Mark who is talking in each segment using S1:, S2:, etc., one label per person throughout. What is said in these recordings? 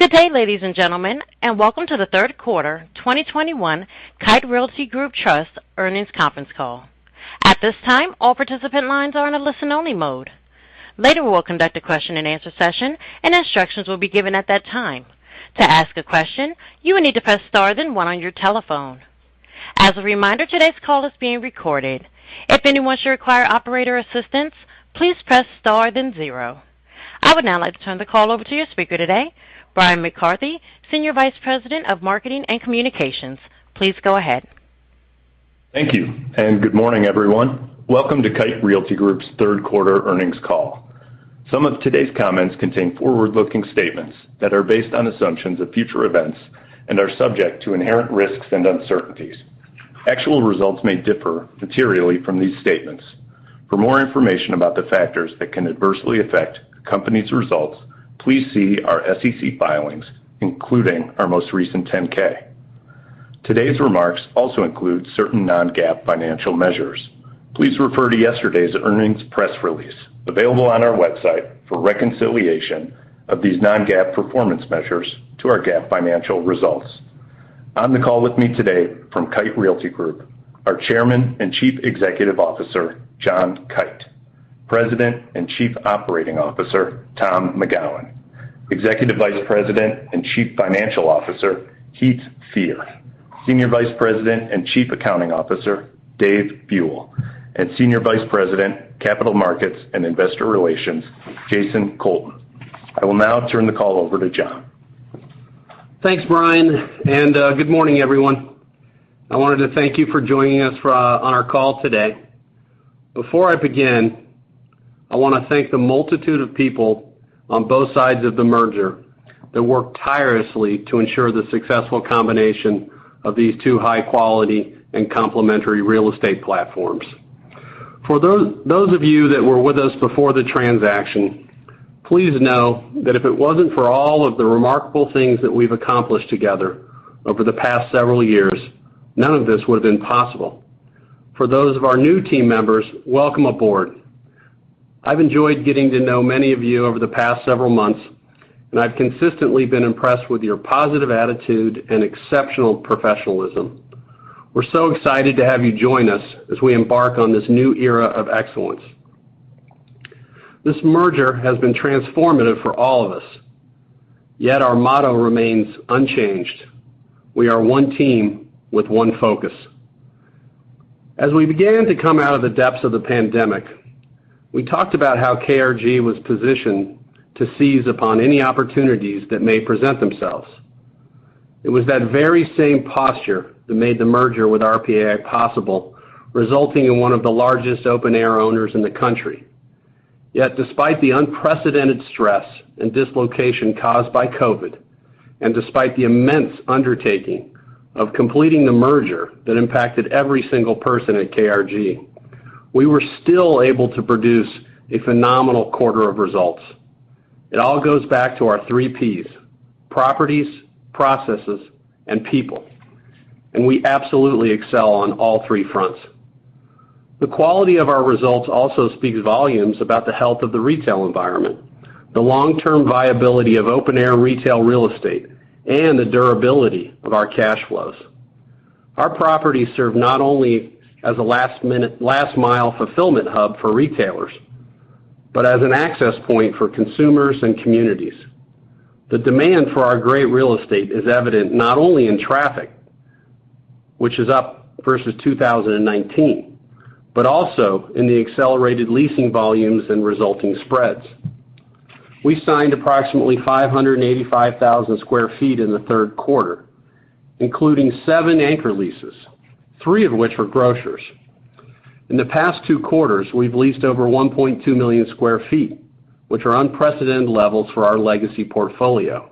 S1: Good day, ladies and gentlemen, and welcome to the third quarter 2021 Kite Realty Group Trust earnings conference call. At this time, all participant lines are in a listen-only mode. Later, we'll conduct a question-and-answer session and instructions will be given at that time. To ask a question, you will need to press star, then one on your telephone. As a reminder, today's call is being recorded. If anyone should require operator assistance, please press star then zero. I would now like to turn the call over to your speaker today, Bryan McCarthy, Senior Vice President of Marketing and Communications, please go ahead.
S2: Thank you, and good morning, everyone. Welcome to Kite Realty Group's third quarter earnings call. Some of today's comments contain forward-looking statements that are based on assumptions of future events and are subject to inherent risks and uncertainties. Actual results may differ materially from these statements. For more information about the factors that can adversely affect the company's results, please see our SEC filings, including our most recent 10-K. Today's remarks also include certain non-GAAP financial measures. Please refer to yesterday's earnings press release available on our website for reconciliation of these non-GAAP performance measures to our GAAP financial results. On the call with me today from Kite Realty Group are Chairman and Chief Executive Officer, John Kite. President and Chief Operating Officer, Tom McGowan, Executive Vice President and Chief Financial Officer, Heath Fear. Senior Vice President and Chief Accounting Officer, Dave Buell, and Senior Vice President, Capital Markets and Investor Relations, Jason Colton. I will now turn the call over to John.
S3: Thanks, Bryan, and good morning, everyone. I wanted to thank you for joining us on our call today. Before I begin, I wanna thank the multitude of people on both sides of the merger that worked tirelessly to ensure the successful combination of these two high-quality and complementary real estate platforms. For those of you that were with us before the transaction, please know that if it wasn't for all of the remarkable things that we've accomplished together over the past several years, none of this would have been possible. For those of our new team members, welcome aboard. I've enjoyed getting to know many of you over the past several months, and I've consistently been impressed with your positive attitude and exceptional professionalism. We're so excited to have you join us as we embark on this new era of excellence. This merger has been transformative for all of us, yet our motto remains unchanged. We are one team with one focus. As we began to come out of the depths of the pandemic, we talked about how KRG was positioned to seize upon any opportunities that may present themselves. It was that very same posture that made the merger with RPAI possible, resulting in one of the largest open-air owners in the country. Yet, despite the unprecedented stress and dislocation caused by COVID, and despite the immense undertaking of completing the merger that impacted every single person at KRG, we were still able to produce a phenomenal quarter of results. It all goes back to our three Ps; properties, processes, and people. We absolutely excel on all three fronts. The quality of our results also speaks volumes about the health of the retail environment, the long-term viability of open-air retail real estate, and the durability of our cash flows. Our properties serve not only as a last-mile fulfillment hub for retailers, but as an access point for consumers and communities. The demand for our great real estate is evident not only in traffic, which is up versus 2019, but also in the accelerated leasing volumes and resulting spreads. We signed approximately 585,000 sq ft in the third quarter, including seven anchor leases, three of which were grocers. In the past two quarters, we've leased over 1,200,000 sq ft, which are unprecedented levels for our legacy portfolio.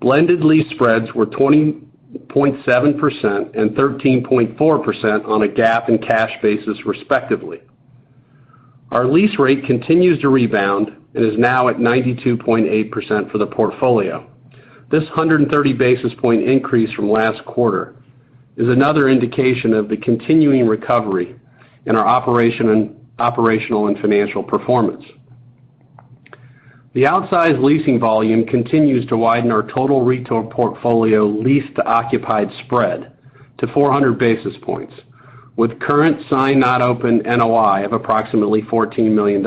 S3: Blended lease spreads were 20.7% and 13.4% on a GAAP and cash basis, respectively. Our lease rate continues to rebound and is now at 92.8% for the portfolio. This 130 basis point increase from last quarter is another indication of the continuing recovery in our operational and financial performance. The outsized leasing volume continues to widen our total retail portfolio lease to occupied spread to 400 basis points, with current sign not open NOI of approximately $14 million.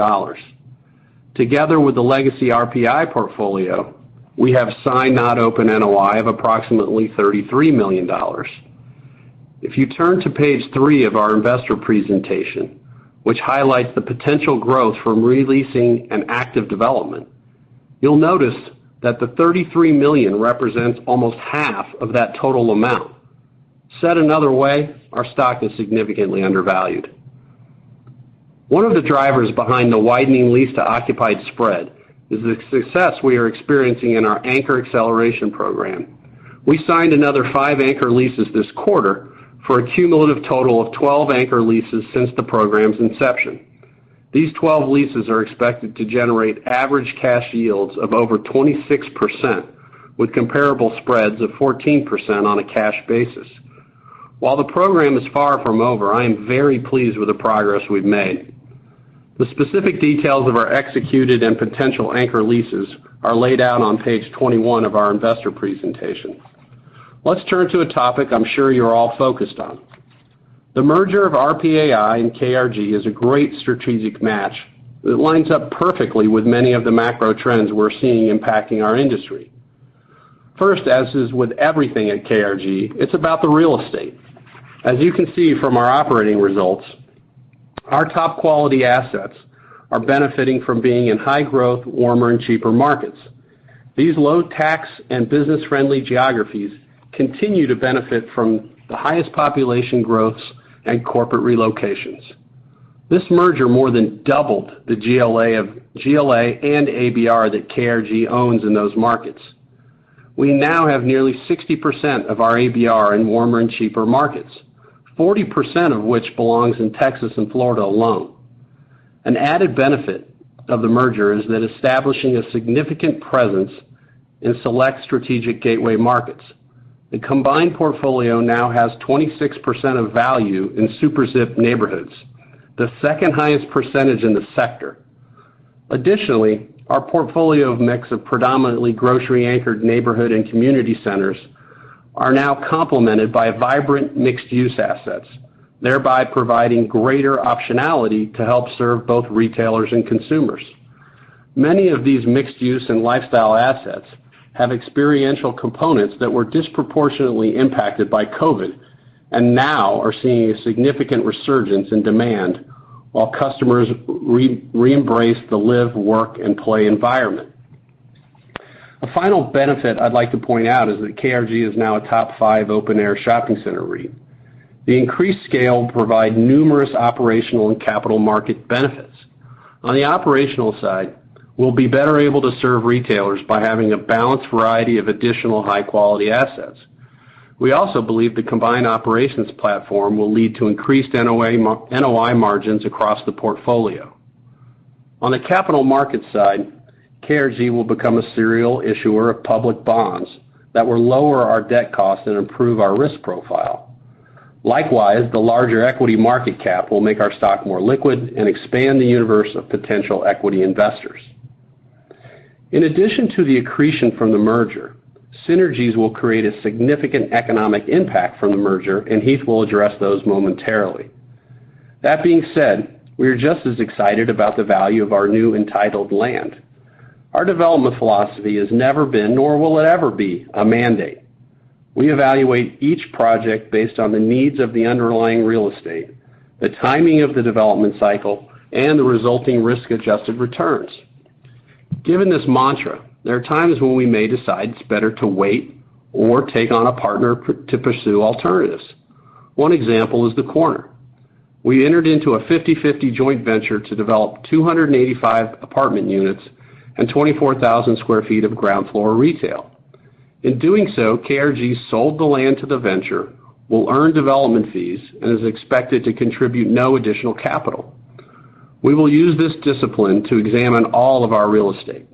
S3: Together with the legacy RPAI portfolio, we have sign not open NOI of approximately $33 million. If you turn to page 3 of our investor presentation, which highlights the potential growth from re-leasing an active development, you'll notice that the $33 million represents almost half of that total amount. Said another way, our stock is significantly undervalued. One of the drivers behind the widening lease to occupied spread is the success we are experiencing in our anchor acceleration program. We signed another five anchor leases this quarter for a cumulative total of 12 anchor leases since the program's inception. These 12 leases are expected to generate average cash yields of over 26%, with comparable spreads of 14% on a cash basis. While the program is far from over, I am very pleased with the progress we've made. The specific details of our executed and potential anchor leases are laid out on page 21 of our investor presentation. Let's turn to a topic I'm sure you're all focused on. The merger of RPAI and KRG is a great strategic match that lines up perfectly with many of the macro trends we're seeing impacting our industry. First, as is with everything at KRG, it's about the real estate. As you can see from our operating results, our top-quality assets are benefiting from being in high-growth, warmer, and cheaper markets. These low-tax and business-friendly geographies continue to benefit from the highest population growths and corporate relocations. This merger more than doubled the GLA and ABR that KRG owns in those markets. We now have nearly 60% of our ABR in warmer and cheaper markets, 40% of which belongs in Texas and Florida alone. An added benefit of the merger is that establishing a significant presence in select strategic gateway markets. The combined portfolio now has 26% of value in SuperZip neighborhoods, the second-highest percentage in the sector. Additionally, our portfolio mix of predominantly grocery-anchored neighborhood and community centers are now complemented by vibrant mixed-use assets, thereby providing greater optionality to help serve both retailers and consumers. Many of these mixed use and lifestyle assets have experiential components that were disproportionately impacted by COVID, and now are seeing a significant resurgence in demand while customers re-embrace the live, work, and play environment. A final benefit I'd like to point out is that KRG is now a top five open-air shopping center REIT. The increased scale will provide numerous operational and capital market benefits. On the operational side, we'll be better able to serve retailers by having a balanced variety of additional high-quality assets. We also believe the combined operations platform will lead to increased NOI margins across the portfolio. On the capital market side, KRG will become a serial issuer of public bonds that will lower our debt cost and improve our risk profile. Likewise, the larger equity market cap will make our stock more liquid and expand the universe of potential equity investors. In addition to the accretion from the merger, synergies will create a significant economic impact from the merger, and Heath will address those momentarily. That being said, we are just as excited about the value of our new entitled land. Our development philosophy has never been, nor will it ever be, a mandate. We evaluate each project based on the needs of the underlying real estate, the timing of the development cycle, and the resulting risk-adjusted returns. Given this mantra, there are times when we may decide it's better to wait or take on a partner to pursue alternatives. One example is The Corner. We entered into a 50/50 joint venture to develop 285 apartment units and 24,000 sq ft of ground floor retail. In doing so, KRG sold the land to the venture, will earn development fees, and is expected to contribute no additional capital. We will use this discipline to examine all of our real estate,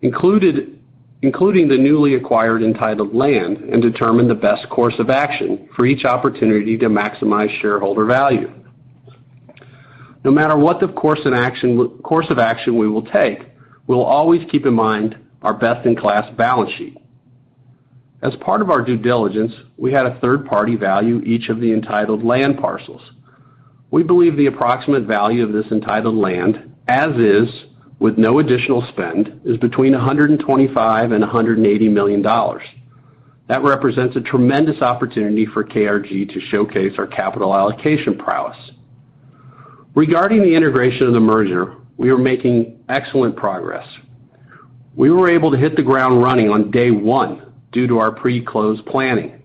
S3: including the newly acquired entitled land, and determine the best course of action for each opportunity to maximize shareholder value. No matter what course of action we will take, we will always keep in mind our best-in-class balance sheet. As part of our due diligence, we had a third party value each of the entitled land parcels. We believe the approximate value of this entitled land, as is, with no additional spend, is between $125 million and $180 million. That represents a tremendous opportunity for KRG to showcase our capital allocation prowess. Regarding the integration of the merger, we are making excellent progress. We were able to hit the ground running on day one due to our pre-close planning.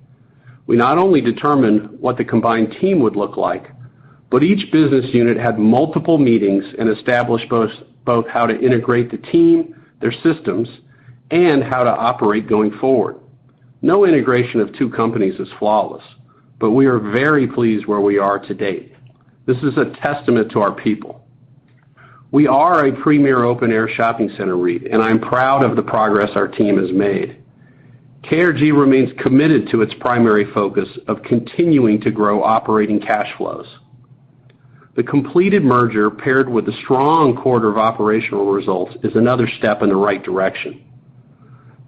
S3: We not only determined what the combined team would look like, but each business unit had multiple meetings and established both how to integrate the team, their systems, and how to operate going forward. No integration of two companies is flawless, but we are very pleased where we are to date. This is a testament to our people. We are a premier open-air shopping center REIT, and I'm proud of the progress our team has made. KRG remains committed to its primary focus of continuing to grow operating cash flows. The completed merger paired with the strong quarter of operational results is another step in the right direction.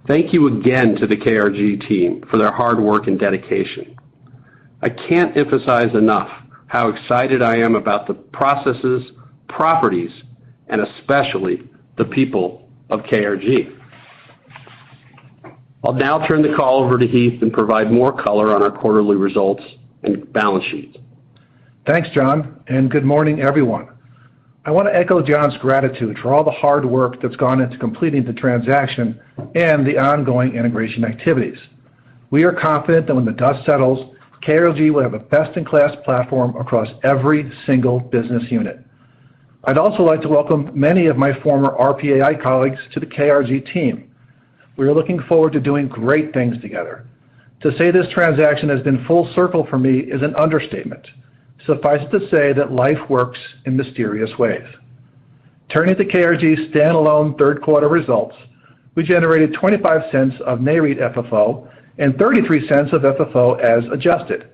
S3: Thank you again to the KRG team for their hard work and dedication. I can't emphasize enough how excited I am about the processes, properties, and especially the people of KRG. I'll now turn the call over to Heath, and provide more color on our quarterly results and balance sheet.
S4: Thanks, John, and good morning, everyone. I want to echo John's gratitude for all the hard work that's gone into completing the transaction and the ongoing integration activities. We are confident that when the dust settles, KRG will have a best-in-class platform across every single business unit. I'd also like to welcome many of my former RPAI colleagues to the KRG team. We are looking forward to doing great things together. To say this transaction has been full circle for me is an understatement. Suffice to say that life works in mysterious ways. Turning to KRG standalone third quarter results, we generated $0.25 of NAREIT FFO and $0.33 of FFO as adjusted.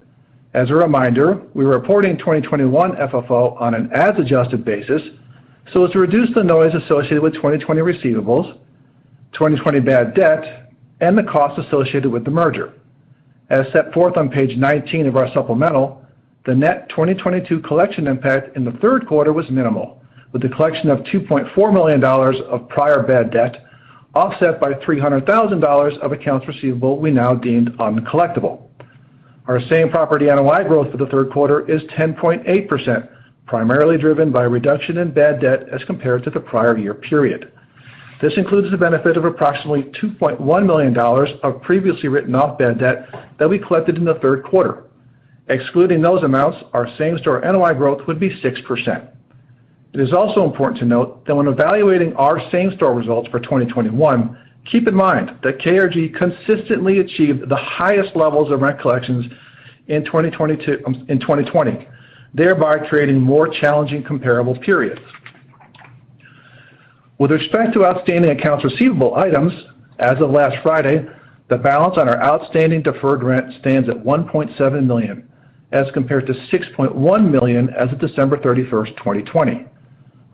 S4: As a reminder, we're reporting 2021 FFO on an as-adjusted basis, so as to reduce the noise associated with 2020 receivables, 2020 bad debt, and the costs associated with the merger. As set forth on page 19 of our supplemental, the net 2022 collection impact in the third quarter was minimal, with the collection of $2.4 million of prior bad debt offset by $300,000 of accounts receivable we now deemed uncollectible. Our same property NOI growth for the third quarter is 10.8%, primarily driven by a reduction in bad debt as compared to the prior year period. This includes the benefit of approximately $2.1 million of previously written-off bad debt that we collected in the third quarter. Excluding those amounts, our same-store NOI growth would be 6%. It is also important to note that when evaluating our same-store results for 2021, keep in mind that KRG consistently achieved the highest levels of rent collections in 2022, in 2020, thereby creating more challenging comparable periods. With respect to outstanding accounts receivable items, as of last Friday, the balance on our outstanding deferred rent stands at $1.7 million, as compared to $6.1 million as of December 31st, 2020.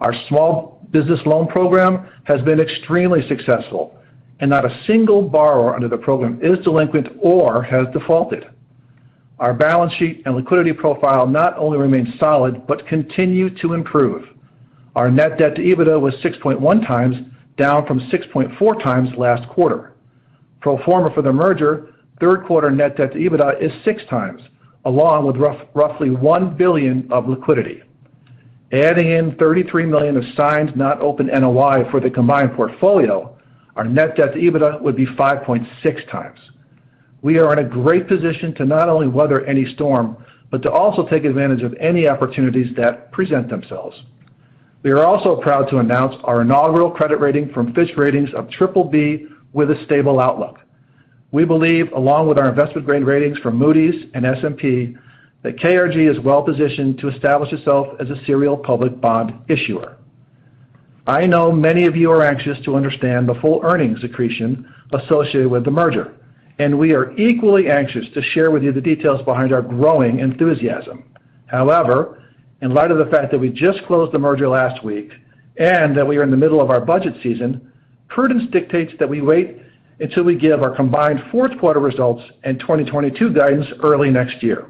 S4: Our small business loan program has been extremely successful, and not a single borrower under the program is delinquent or has defaulted. Our balance sheet and liquidity profile not only remains solid, but continue to improve. Our net debt to EBITDA was 6.1x, down from 6.4x last quarter. Pro forma for the merger, third quarter net debt to EBITDA is 6x, along with roughly $1 billion of liquidity. Adding in $33 million of signed not open NOI for the combined portfolio, our net debt to EBITDA would be 5.6x. We are in a great position to not only weather any storm, but to also take advantage of any opportunities that present themselves. We are also proud to announce our inaugural credit rating from Fitch Ratings of BBB with a stable outlook. We believe, along with our investment grade ratings from Moody's and S&P, that KRG is well-positioned to establish itself as a serial public bond issuer. I know many of you are anxious to understand the full earnings accretion associated with the merger, and we are equally anxious to share with you the details behind our growing enthusiasm. However, in light of the fact that we just closed the merger last week and that we are in the middle of our budget season, prudence dictates that we wait until we give our combined fourth quarter results and 2022 guidance early next year.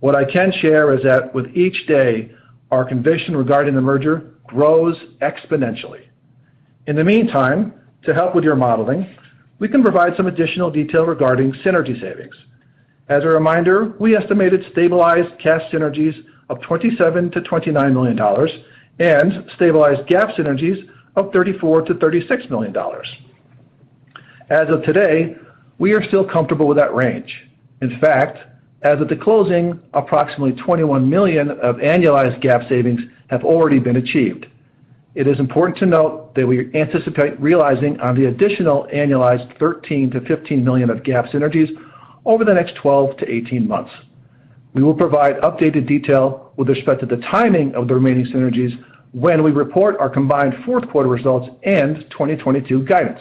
S4: What I can share is that with each day, our conviction regarding the merger grows exponentially. In the meantime, to help with your modeling, we can provide some additional detail regarding synergy savings. As a reminder, we estimated stabilized cash synergies of $27-$29 million and stabilized GAAP synergies of $34-$36 million. As of today, we are still comfortable with that range. In fact, as of the closing, approximately $21 million of annualized GAAP savings have already been achieved. It is important to note that we anticipate realizing on the additional annualized $13-$15 million of GAAP synergies over the next 12 to 18 months. We will provide updated detail with respect to the timing of the remaining synergies when we report our combined fourth quarter results and 2022 guidance.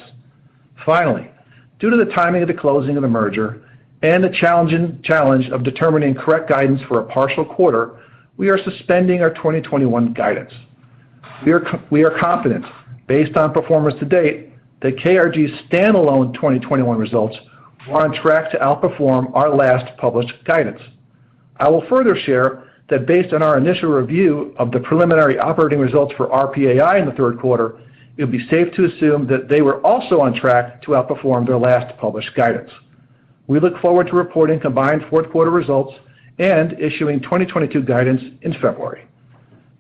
S4: Finally, due to the timing of the closing of the merger and the challenge of determining correct guidance for a partial quarter, we are suspending our 2021 guidance. We are confident, based on performance to date, that KRG's standalone 2021 results are on track to outperform our last published guidance. I will further share that based on our initial review of the preliminary operating results for RPAI in the third quarter, it would be safe to assume that they were also on track to outperform their last published guidance. We look forward to reporting combined fourth quarter results and issuing 2022 guidance in February.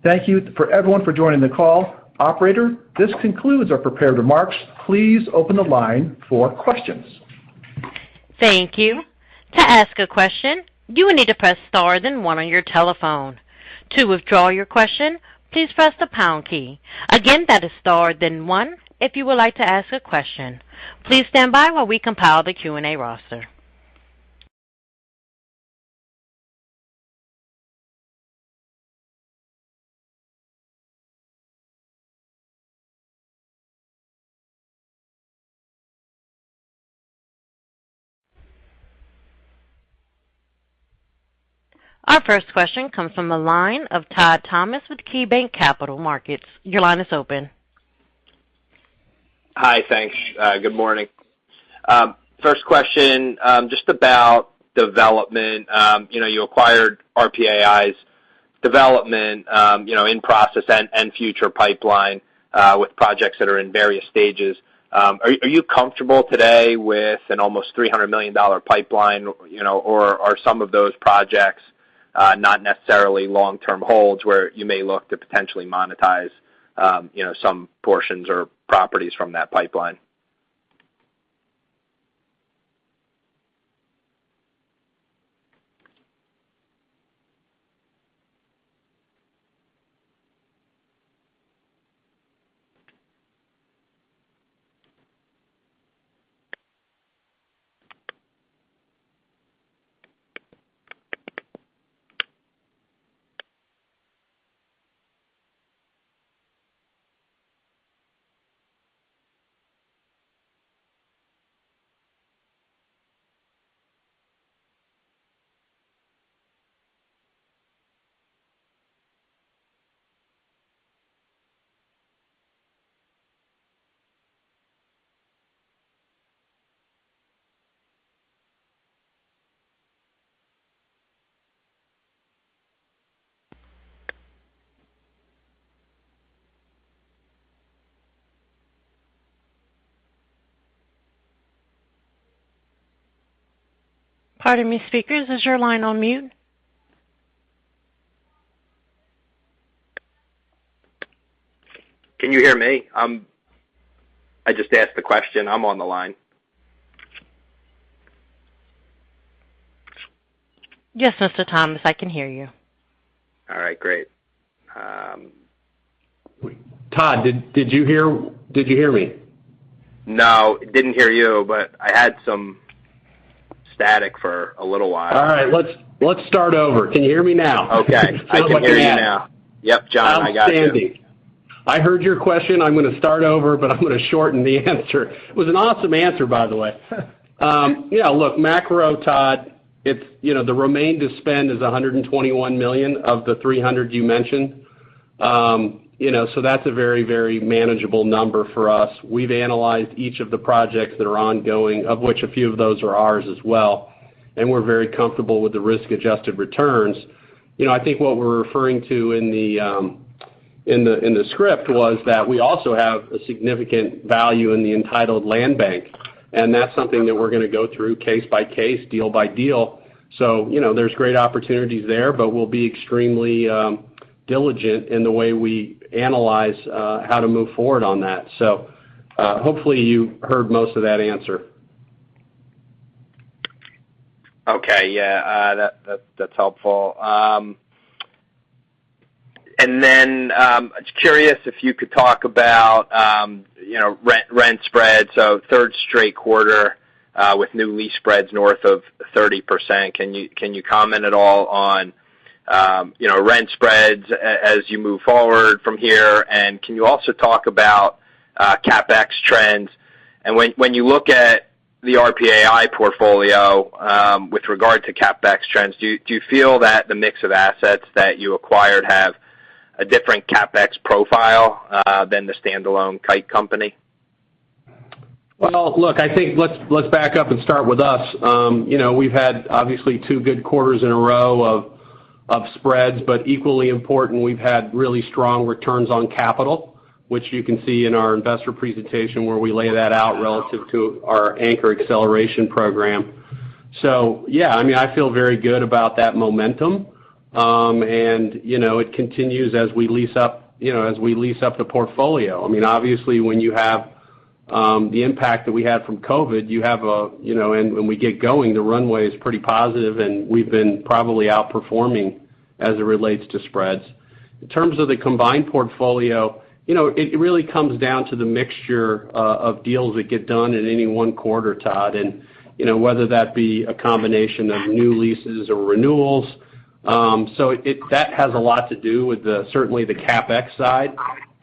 S4: Thank you for everyone for joining the call. Operator, this concludes our prepared remarks. Please open the line for questions.
S1: Our first question comes from the line of Todd Thomas with KeyBanc Capital Markets, your line is open.
S5: Hi, thanks good morning. First question, just about development. You know, you acquired RPAI's development, you know, in process and future pipeline, with projects that are in various stages. Are you comfortable today with an almost $300 million pipeline, you know, or are some of those projects not necessarily long-term holds, where you may look to potentially monetize, you know, some portions or properties from that pipeline?
S1: Pardon me, speakers, is your line on mute?
S5: Can you hear me? I just asked the question, I'm on the line.
S1: Yes, Mr. Thomas, I can hear you.
S5: All right, great.
S3: Todd, did you hear me?
S5: No, didn't hear you, but I had some static for a little while.
S3: All right, let's start over. Can you hear me now?
S5: Okay, I can hear you now. Yep, John, I got you.
S3: Outstanding. I heard your question. I'm gonna start over, but I'm gonna shorten the answer. It was an awesome answer, by the way. Yeah, look, macro, Todd, it's, you know, the remaining to spend is $121 million of the $300 million you mentioned. You know, so that's a very, very manageable number for us. We've analyzed each of the projects that are ongoing, of which a few of those are ours as well, and we're very comfortable with the risk-adjusted returns. You know, I think what we're referring to in the script was that we also have a significant value in the entitled land bank, and that's something that we're gonna go through case by case, deal by deal. You know, there's great opportunities there, but we'll be extremely diligent in the way we analyze how to move forward on that. Hopefully you heard most of that answer.
S5: Okay, yeah, that's helpful. And then just curious if you could talk about you know rent spreads. So third straight quarter with new lease spreads north of 30%. Can you comment at all on you know rent spreads as you move forward from here? And can you also talk about CapEx trends? And when you look at the RPAI portfolio with regard to CapEx trends, do you feel that the mix of assets that you acquired have a different CapEx profile than the standalone KITE company?
S3: Well, look, I think let's back up and start with us. You know, we've had obviously two good quarters in a row of spreads, but equally important, we've had really strong returns on capital, which you can see in our investor presentation where we lay that out relative to our Anchor Acceleration program. Yeah, I mean, I feel very good about that momentum. You know, it continues as we lease up the portfolio. I mean, obviously when you have the impact that we had from COVID, and when we get going, the runway is pretty positive, and we've been probably outperforming as it relates to spreads. In terms of the combined portfolio, you know, it really comes down to the mixture of deals that get done in any one quarter, Todd, and, you know, whether that be a combination of new leases or renewals. That has a lot to do with, certainly, the CapEx side.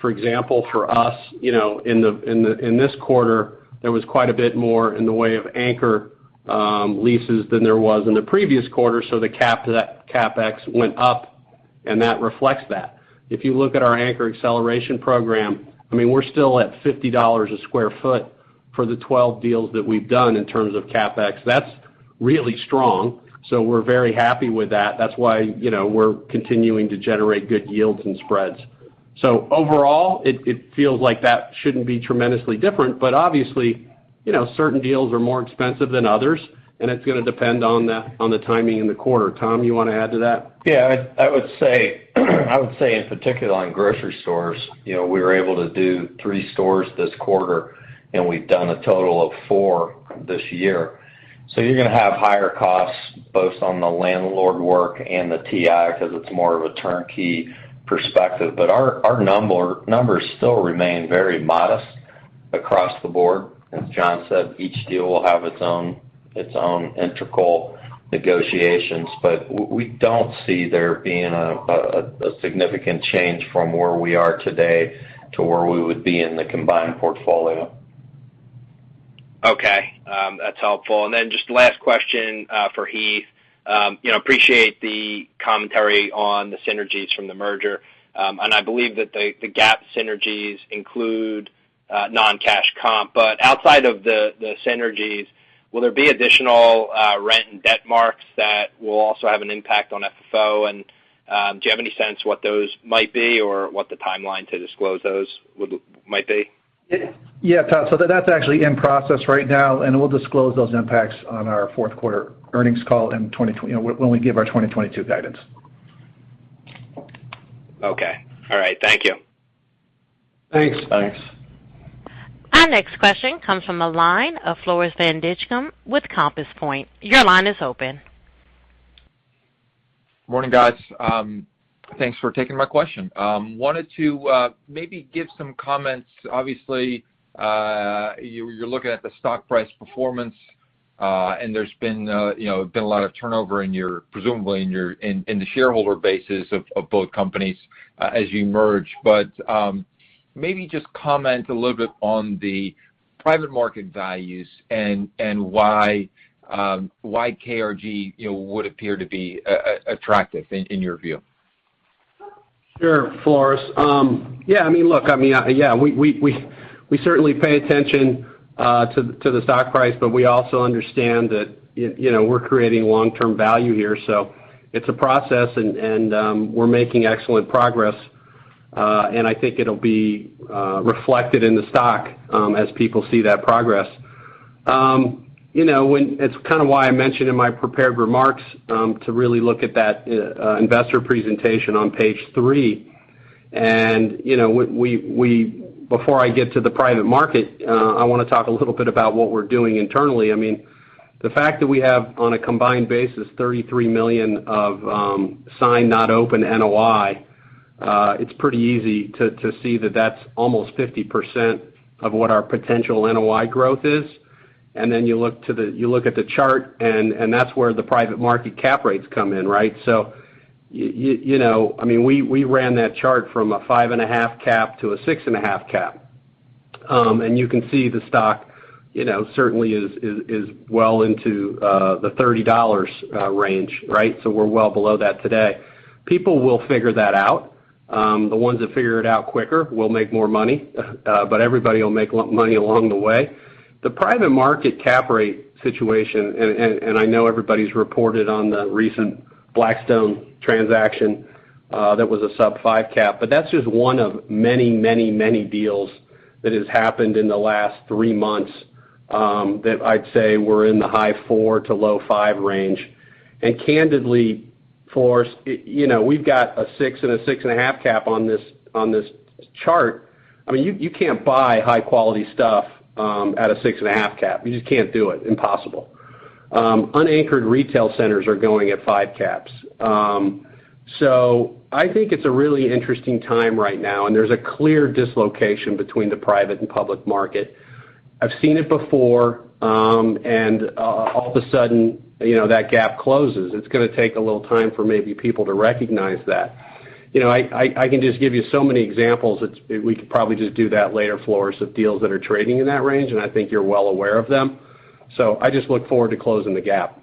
S3: For example, for us, you know, in this quarter, there was quite a bit more in the way of anchor leases than there was in the previous quarter. So the cap to that CapEx went up, and that reflects that. If you look at our Anchor Acceleration program, I mean, we're still at $50 a square foot for the 12 deals that we've done in terms of CapEx. That's really strong, so we're very happy with that. That's why, you know, we're continuing to generate good yields and spreads. Overall, it feels like that shouldn't be tremendously different, but obviously, you know, certain deals are more expensive than others, and it's gonna depend on the timing in the quarter. Tom, you wanna add to that?
S6: Yeah. I would say in particular on grocery stores, you know, we were able to do three stores this quarter, and we've done a total of four this year. You're gonna have higher costs both on the landlord work and the TI 'cause it's more of a turnkey perspective. Our numbers still remain very modest across the board. As John said, each deal will have its own integral negotiations. We don't see there being a significant change from where we are today to where we would be in the combined portfolio.
S5: Okay, that's helpful. Just last question, for Heath. You know, I appreciate the commentary on the synergies from the merger. I believe that the gap synergies include non-cash comp. Outside of the synergies, will there be additional rent and debt marks that will also have an impact on FFO? Do you have any sense what those might be or what the timeline to disclose those might be?
S4: Yeah, Todd. That's actually in process right now, and we'll disclose those impacts on our fourth quarter earnings call in 2022, you know, when we give our 2022 guidance.
S5: Okay, all right. Thank you.
S3: Thanks.
S6: Thanks.
S1: Our next question comes from the line of Floris van Dijkum with Compass Point, your line is open.
S7: Morning, guys. Thanks for taking my question. Wanted to maybe give some comments. Obviously, you're looking at the stock price performance, and there's been, you know, a lot of turnover presumably in your shareholder bases of both companies as you merge. Maybe just comment a little bit on the private market values and why KRG, you know, would appear to be attractive in your view.
S3: Sure, Floris. Yeah, I mean, look, I mean, yeah, we certainly pay attention to the stock price, but we also understand that, you know, we're creating long-term value here. It's a process and we're making excellent progress, and I think it'll be reflected in the stock as people see that progress. You know, it's kind of why I mentioned in my prepared remarks to really look at that investor presentation on page three. You know, before I get to the private market, I wanna talk a little bit about what we're doing internally. I mean, the fact that we have, on a combined basis, $33 million of signed not opened NOI, it's pretty easy to see that that's almost 50% of what our potential NOI growth is. You look at the chart and that's where the private market cap rates come in, right? So you know, I mean, we ran that chart from a 5.5 cap to a 6.5 cap. And you can see the stock, you know, certainly is well into the $30 range, right? So we're well below that today. People will figure that out. The ones that figure it out quicker will make more money, but everybody will make long money along the way. The private market cap rate situation, and I know everybody's reported on the recent Blackstone transaction, that was a sub-5 cap, but that's just one of many deals that has happened in the last three months, that I'd say were in the high 4 to low 5 range. Candidly, Floris, you know, we've got a 6 and a 6.5 cap on this chart. I mean, you can't buy high quality stuff at a 6.5 cap. You just can't do it. Impossible. Unanchored retail centers are going at 5 caps. So I think it's a really interesting time right now, and there's a clear dislocation between the private and public market. I've seen it before, and all of a sudden, you know, that gap closes. It's gonna take a little time for maybe people to recognize that. You know, I can just give you so many examples. We could probably just do that later, Floris, of deals that are trading in that range, and I think you're well aware of them. I just look forward to closing the gap.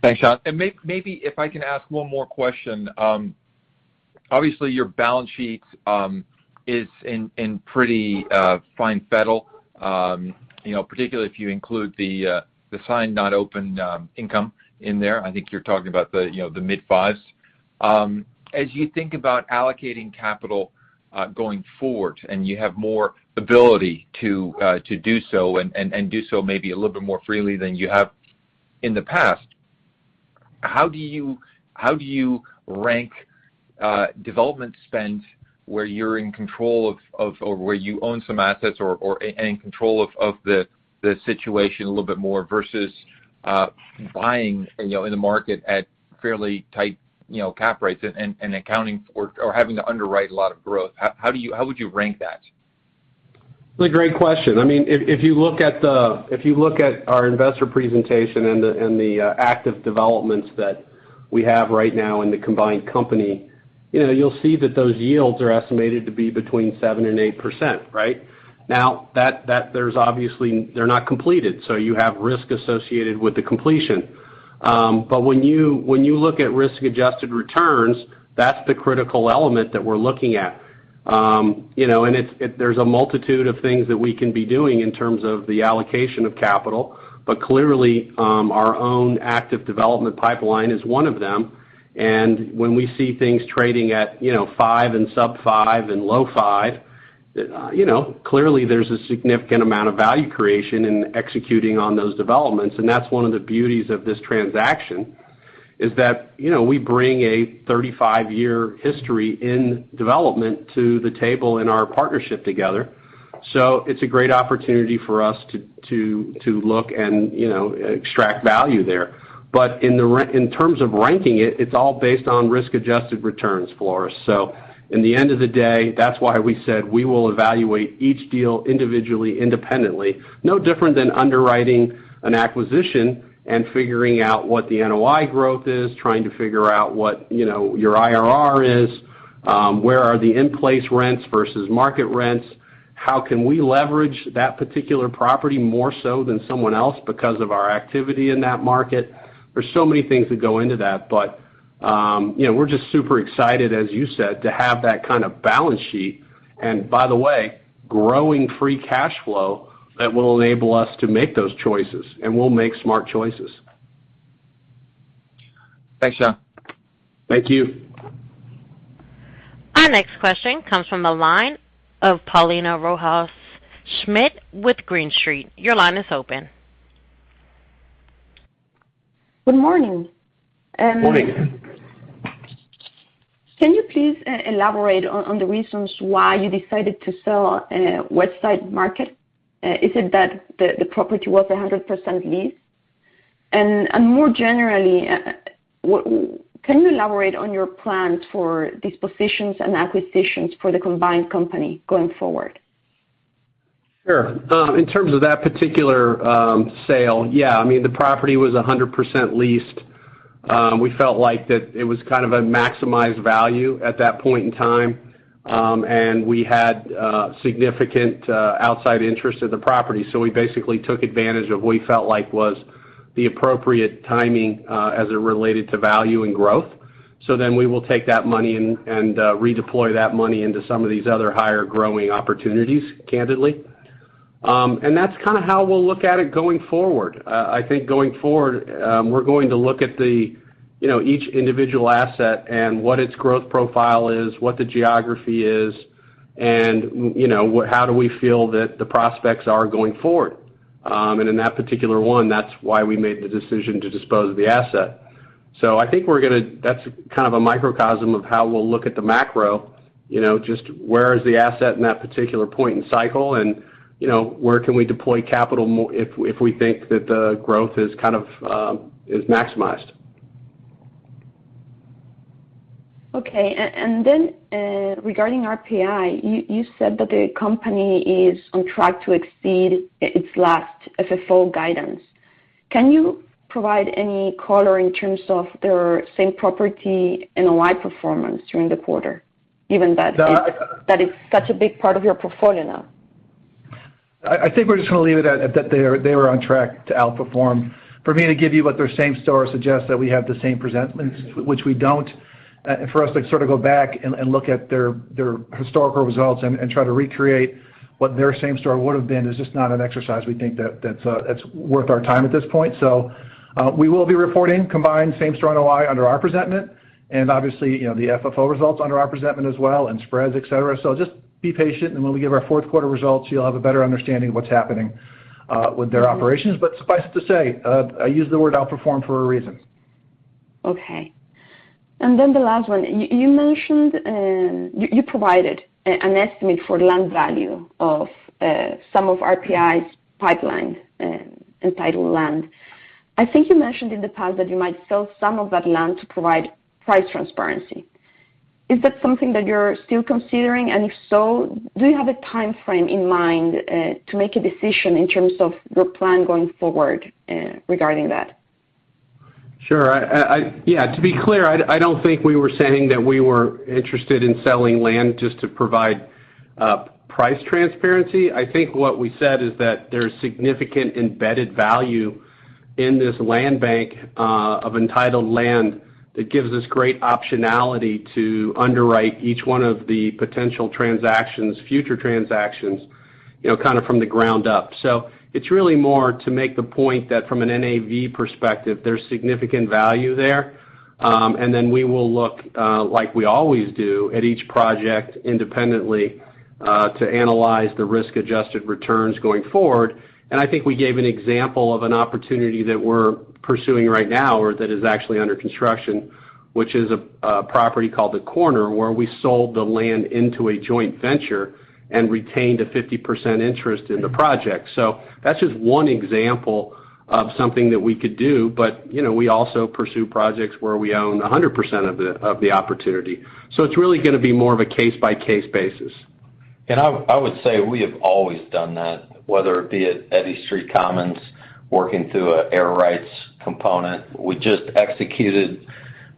S7: Thanks, John. Maybe if I can ask one more question. Obviously, your balance sheet is in pretty fine fettle, you know, particularly if you include the signed, not opened income in there. I think you're talking about the, you know, the mid fives. As you think about allocating capital going forward, and you have more ability to do so and do so maybe a little bit more freely than you have in the past, how do you rank development spend where you're in control of or where you own some assets or and in control of the situation a little bit more versus buying, you know, in the market at fairly tight, you know, cap rates and accounting for or having to underwrite a lot of growth? How would you rank that?
S3: It's a great question. I mean, if you look at our investor presentation and the active developments that we have right now in the combined company, you know, you'll see that those yields are estimated to be between 7% and 8%, right? Now, there's obviously, they're not completed, so you have risk associated with the completion. When you look at risk-adjusted returns, that's the critical element that we're looking at. You know, there's a multitude of things that we can be doing in terms of the allocation of capital. Clearly, our own active development pipeline is one of them. When we see things trading at, you know, 5 and sub-5 and low-5, you know, clearly there's a significant amount of value creation in executing on those developments. That's one of the beauties of this transaction, is that, you know, we bring a 35-year history in development to the table in our partnership together. It's a great opportunity for us to look and, you know, extract value there. In terms of ranking it's all based on risk-adjusted returns, Floris. In the end of the day, that's why we said we will evaluate each deal individually, independently. No different than underwriting an acquisition and figuring out what the NOI growth is, trying to figure out what, you know, your IRR is, where are the in-place rents versus market rents, how can we leverage that particular property more so than someone else because of our activity in that market? There's so many things that go into that, but, you know, we're just super excited, as you said, to have that kind of balance sheet, and by the way, growing free cash flow that will enable us to make those choices, and we'll make smart choices.
S7: Thanks, John.
S3: Thank you.
S1: Our next question comes from the line of Paulina Rojas Schmidt with Green Street, your line is open.
S8: Good morning.
S3: Morning.
S8: Can you please elaborate on the reasons why you decided to sell Westside Market? Is it that the property was 100% leased? More generally, can you elaborate on your plans for dispositions and acquisitions for the combined company going forward?
S3: Sure. In terms of that particular sale, yeah, I mean, the property was 100% leased. We felt like it was kind of a maximized value at that point in time. We had significant outside interest in the property. We basically took advantage of what we felt like was the appropriate timing as it related to value and growth. We will take that money and redeploy that money into some of these other higher growing opportunities, candidly. That's kinda how we'll look at it going forward. I think going forward, we're going to look at the, you know, each individual asset and what its growth profile is, what the geography is, and, you know, how do we feel that the prospects are going forward. In that particular one, that's why we made the decision to dispose of the asset. I think that's kind of a microcosm of how we'll look at the macro, you know, just where is the asset in that particular point in cycle and, you know, where can we deploy capital more if we think that the growth is kind of is maximized.
S8: Regarding RPAI, you said that the company is on track to exceed its last FFO guidance. Can you provide any color in terms of their same-property NOI performance during the quarter, given that-
S3: The-
S8: That is such a big part of your portfolio now?
S3: I think we're just gonna leave it at that they are on track to outperform. For me to give you what their same-store suggests that we have the same presentation, which we don't, for us to sort of go back and look at their historical results and try to recreate what their same-store would've been is just not an exercise we think that's worth our time at this point. We will be reporting combined same-store NOI under our presentation and obviously, you know, the FFO results under our presentation as well and spreads, et cetera. Just be patient, and when we give our fourth quarter results, you'll have a better understanding of what's happening with their operations. Suffice it to say, I use the word outperform for a reason.
S8: Okay and then the last one, you mentioned, you provided an estimate for land value of some of RPAI's pipeline, entitled land. I think you mentioned in the past that you might sell some of that land to provide price transparency. Is that something that you're still considering? And if so, do you have a timeframe in mind to make a decision in terms of your plan going forward regarding that?
S3: Sure. Yeah, to be clear, I don't think we were saying that we were interested in selling land just to provide price transparency. I think what we said is that there's significant embedded value in this land bank of entitled land that gives us great optionality to underwrite each one of the potential transactions, future transactions, you know, kind of from the ground up. It's really more to make the point that from an NAV perspective, there's significant value there. We will look like we always do at each project independently to analyze the risk-adjusted returns going forward. I think we gave an example of an opportunity that we're pursuing right now or that is actually under construction, which is a property called The Corner, where we sold the land into a joint venture and retained a 50% interest in the project. That's just one example of something that we could do. You know, we also pursue projects where we own 100% of the opportunity. It's really gonna be more of a case-by-case basis.
S6: I would say we have always done that, whether it be at Eddy Street Commons, working through an air rights component. We just executed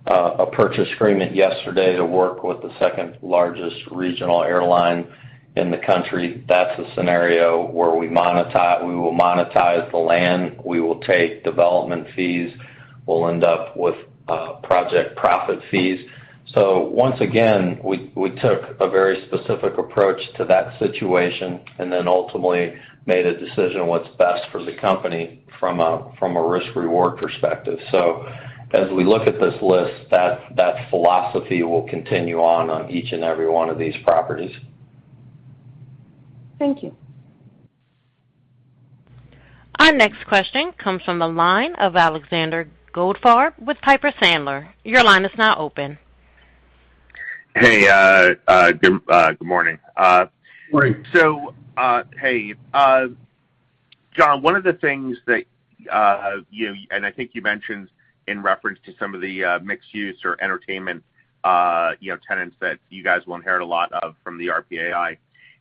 S6: a purchase agreement yesterday to work with the second-largest regional airline in the country. That's a scenario where we will monetize the land, we will take development fees, we'll end up with project profit fees. Once again, we took a very specific approach to that situation and then ultimately made a decision what's best for the company from a risk-reward perspective. As we look at this list, that philosophy will continue on each and every one of these properties.
S8: Thank you.
S1: Our next question comes from the line of Alexander Goldfarb with Piper Sandler, your line is now open.
S9: Hey, good morning.
S3: Morning.
S9: So John, one of the things that and I think you mentioned in reference to some of the mixed use or entertainment you know tenants that you guys will inherit a lot of from the RPAI.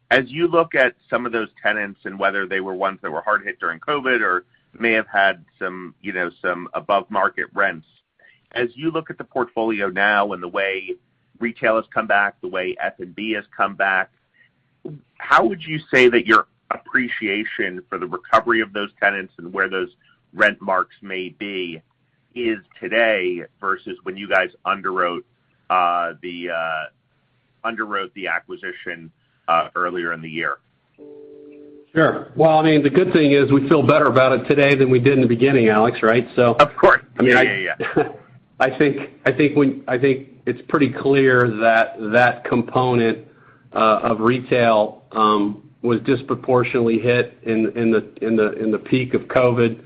S9: As you look at some of those tenants and whether they were ones that were hard hit during COVID or may have had some you know some above market rents. As you look at the portfolio now and the way retail has come back, the way F&B has come back, how would you say that your appreciation for the recovery of those tenants and where those rent marks may be is today versus when you guys underwrote the acquisition earlier in the year?
S3: Sure. Well, I mean, the good thing is we feel better about it today than we did in the beginning, Alex right so.
S9: Of course. I mean, yeah, yeah.
S3: I think it's pretty clear that component of retail was disproportionately hit in the peak of COVID,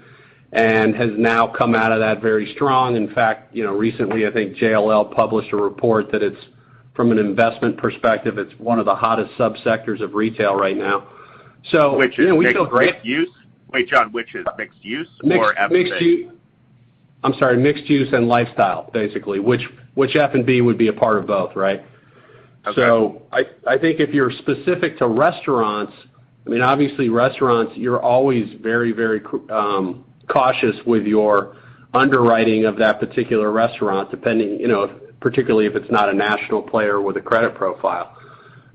S3: and has now come out of that very strong. In fact, you know, recently, I think JLL published a report that it's from an investment perspective, it's one of the hottest subsectors of retail right now so.
S9: Which is mixed use? Wait, John, which is mixed use or F&B?
S3: Mixed use. I'm sorry, mixed use and lifestyle, basically, which F&B would be a part of both, right?
S9: Okay.
S3: I think if you're specific to restaurants, I mean, obviously restaurants, you're always very, very cautious with your underwriting of that particular restaurant, depending, you know, particularly if it's not a national player with a credit profile.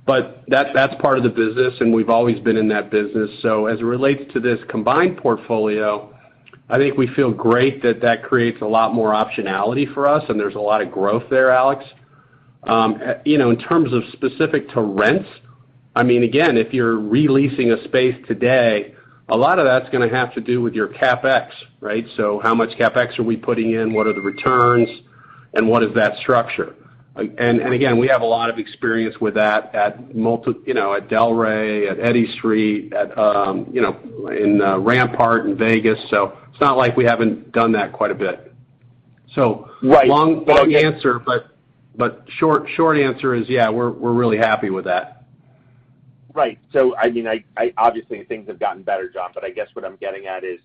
S3: But that's part of the business, and we've always been in that business. So as it relates to this combined portfolio, I think we feel great that that creates a lot more optionality for us, and there's a lot of growth there, Alex. You know, in terms of specific to rents, I mean, again, if you're re-leasing a space today, a lot of that's gonna have to do with your CapEx, right? So how much CapEx are we putting in? What are the returns, and what is that structure? Again, we have a lot of experience with that, you know, at Delray, at Eddy Street, at, you know, in, Rampart in Vegas. It's not like we haven't done that quite a bit.
S9: Right.
S3: Long answer, but short answer is, yeah, we're really happy with that.
S9: Right, so I mean, obviously, things have gotten better, John, but I guess what I'm getting at is,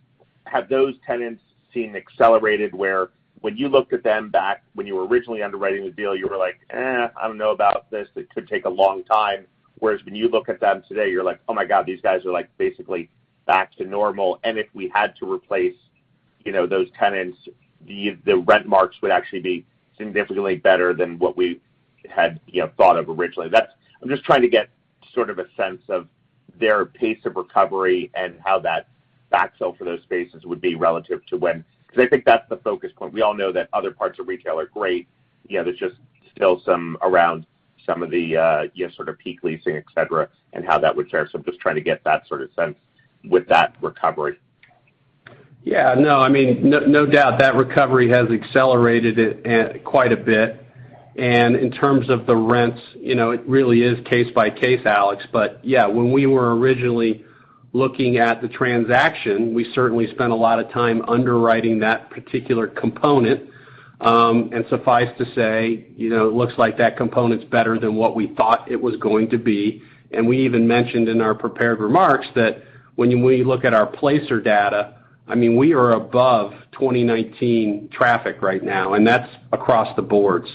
S9: have those tenants seen accelerated where when you looked at them back when you were originally underwriting the deal, you were like, "Eh, I don't know about this, it could take a long time." Whereas when you look at them today, you're like, "Oh my God, these guys are like basically back to normal. And if we had to replace, you know, those tenants, the rent marks would actually be significantly better than what we had, you know, thought of originally." That's. I'm just trying to get sort of a sense of their pace of recovery and how that backfill for those spaces would be relative to when, 'cause I think that's the focus point. We all know that other parts of retail are great. You know, there's just still some of the, you know, sort of peak leasing, et cetera, and how that would fare. I'm just trying to get that sort of sense with that recovery.
S3: Yeah, no. I mean, no doubt that recovery has accelerated it quite a bit. In terms of the rents, you know, it really is case by case, Alex. Yeah, when we were originally looking at the transaction, we certainly spent a lot of time underwriting that particular component. Suffice to say, you know, it looks like that component's better than what we thought it was going to be. We even mentioned in our prepared remarks that when you look at our Placer data, I mean, we are above 2019 traffic right now, and that's across the board.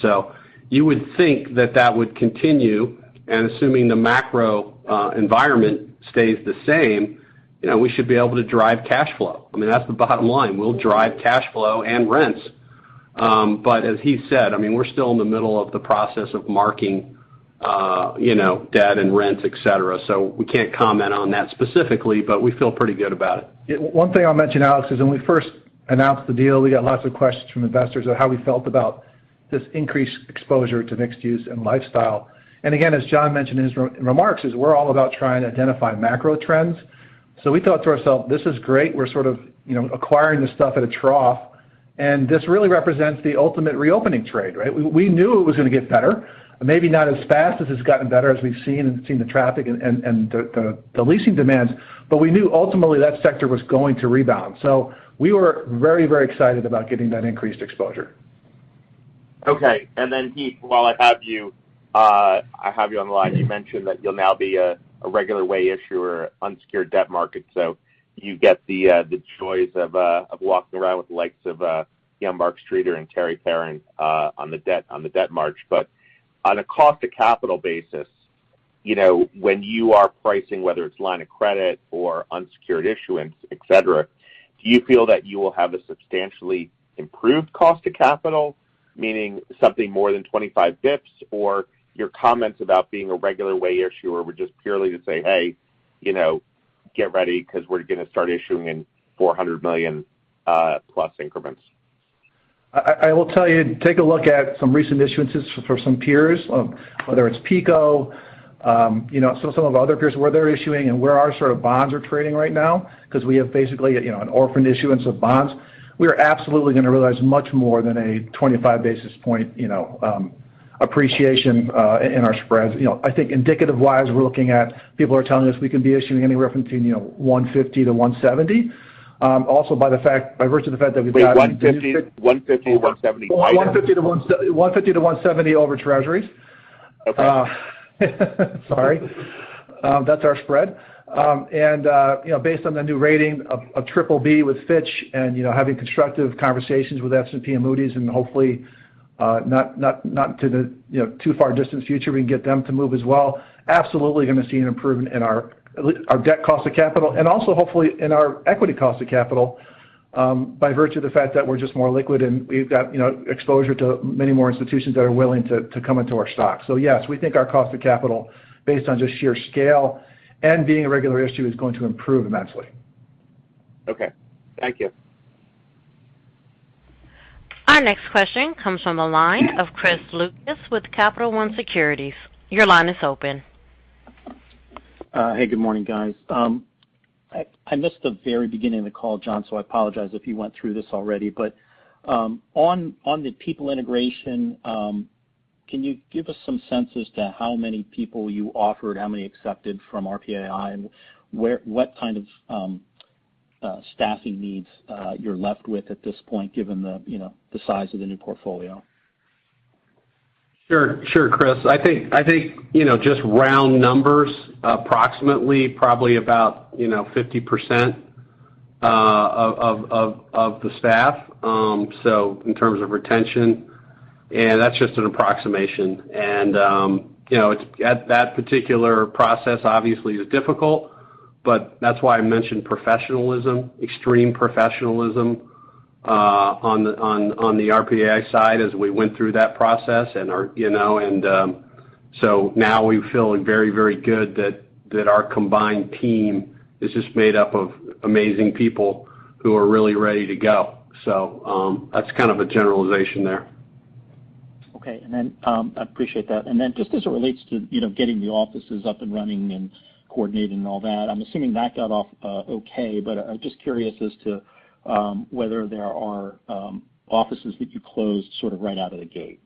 S3: You would think that would continue, and assuming the macro environment stays the same, you know, we should be able to drive cash flow. I mean, that's the bottom line. We'll drive cash flow and rents. As Heath said, I mean, we're still in the middle of the process of marking, you know, debt and rent, et cetera. We can't comment on that specifically, but we feel pretty good about it.
S4: Yeah. One thing I'll mention, Alex, is when we first announced the deal, we got lots of questions from investors on how we felt about this increased exposure to mixed use and lifestyle. Again, as John mentioned in his remarks, we're all about trying to identify macro trends. We thought to ourselves, "This is great. We're sort of, you know, acquiring this stuff at a trough, and this really represents the ultimate reopening trade," right? We knew it was gonna get better, maybe not as fast as it's gotten better as we've seen the traffic and the leasing demands, but we knew ultimately that sector was going to rebound. We were very, very excited about getting that increased exposure.
S9: Okay, and then Heath, while I have you on the line, you mentioned that you'll now be a regular way issuer in the unsecured debt market, so you get the choice of walking around with the likes of, you know, Mark Streeter and Terry Perrin on the debt markets. But on a cost to capital basis, you know, when you are pricing, whether it's line of credit or unsecured issuance, et cetera, do you feel that you will have a substantially improved cost to capital, meaning something more than 25 basis points? Or your comments about being a regular way issuer were just purely to say, "Hey, you know, get ready because we're gonna start issuing in $400 million, plus increments.
S4: I will tell you, take a look at some recent issuances for some peers, whether it's PECO, you know, some of the other peers where they're issuing and where our sort of bonds are trading right now, 'cause we have basically a, you know, an orphaned issuance of bonds. We are absolutely gonna realize much more than a 25 basis point, you know, appreciation in our spreads. You know, I think indicative-wise, we're looking at, people are telling us we can be issuing anywhere between, you know, 150 to 170. By virtue of the fact that we've gotten a new.
S9: Wait. 150, 170
S4: 150 to 170 over Treasuries.
S9: Okay.
S4: Sorry, that's our spread. You know, based on the new rating of BBB with Fitch and, you know, having constructive conversations with S&P and Moody's, and hopefully not too far distant future, we can get them to move as well, absolutely gonna see an improvement in our at least our debt cost of capital and also hopefully in our equity cost of capital by virtue of the fact that we're just more liquid and we've got, you know, exposure to many more institutions that are willing to come into our stock. Yes, we think our cost of capital based on just sheer scale and being a regular issuer is going to improve immensely.
S9: Okay thank you.
S1: Our next question comes from the line of Chris Lucas with Capital One Securities, your line is open.
S10: Hey, good morning, guys. I missed the very beginning of the call, John, so I apologize if you went through this already. On the people integration, can you give us some sense as to how many people you offered, how many accepted from RPAI, and what kind of staffing needs you're left with at this point, given the you know, the size of the new portfolio?
S3: Sure, Chris. I think you know, just round numbers, approximately, probably about 50% of the staff so in terms of retention, and that's just an approximation. You know, it's at that particular process obviously is difficult, but that's why I mentioned professionalism, extreme professionalism on the RPAI side as we went through that process. You know, so now we feel very good that our combined team is just made up of amazing people who are really ready to go. That's kind of a generalization there.
S10: Okay, I appreciate that. Just as it relates to, you know, getting the offices up and running and coordinating all that, I'm assuming that got off okay. I'm just curious as to whether there are offices that you closed sort of right out of the gate.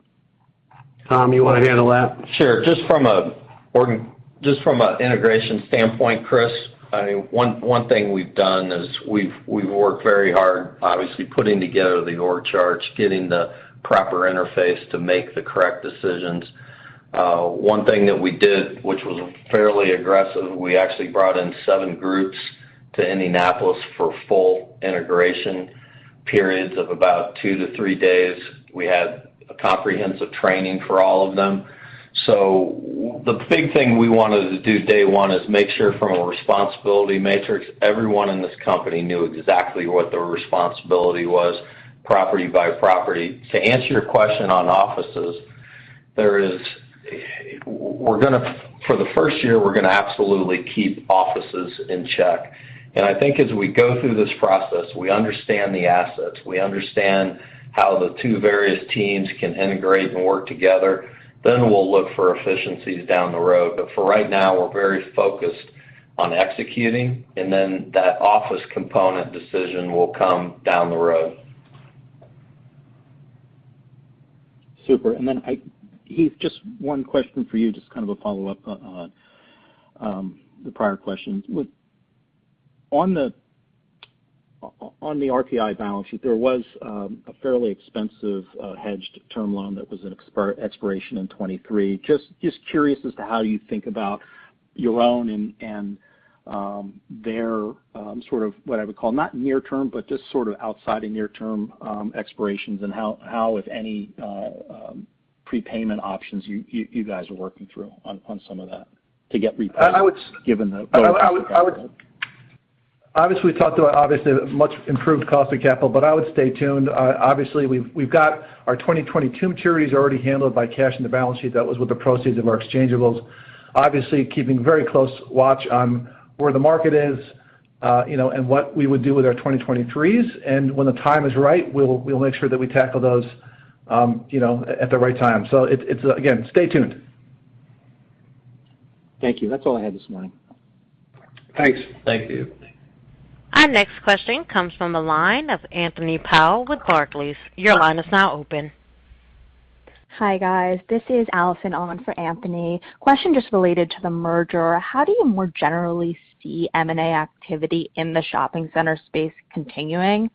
S3: Tom, you wanna handle that?
S6: Sure, just from an integration standpoint, Chris, I mean, one thing we've done is we've worked very hard, obviously, putting together the org charts, getting the proper interface to make the correct decisions. One thing that we did, which was fairly aggressive, we actually brought in seven groups to Indianapolis for full integration periods of about two to three days. We had a comprehensive training for all of them. So the big thing we wanted to do day one is make sure from a responsibility matrix, everyone in this company knew exactly what their responsibility was, property by property. To answer your question on offices, for the first year, we're gonna absolutely keep offices in check. I think as we go through this process, we understand the assets, we understand how the two various teams can integrate and work together, then we'll look for efficiencies down the road. For right now, we're very focused on executing, and then that office component decision will come down the road.
S10: Super, and then Heath, just one question for you, just kind of a follow-up on the prior question. On the RPAI balance sheet, there was a fairly expensive hedged term loan that was an expiration in 2023. Just curious as to how you think about your own and their sort of what I would call not near term, but just sort of outside of near-term expirations, and how, if any, prepayment options you guys are working through on some of that to get repaid given the
S4: Obviously, we talked about obviously the much improved cost of capital, but I would stay tuned. Obviously, we've got our 2022 maturities already handled by cash in the balance sheet. That was with the proceeds of our exchangeables. Obviously, keeping very close watch on where the market is, you know, and what we would do with our 2023s. When the time is right, we'll make sure that we tackle those, you know, at the right time. It's again, stay tuned.
S10: Thank you, that's all I had this morning.
S4: Thanks.
S6: Thank you.
S1: Our next question comes from the line of Anthony Powell with Barclays. Your line is now open.
S11: Hi, guys, this is Allison on for Anthony. Question just related to the merger. How do you more generally see M&A activity in the shopping center space continuing?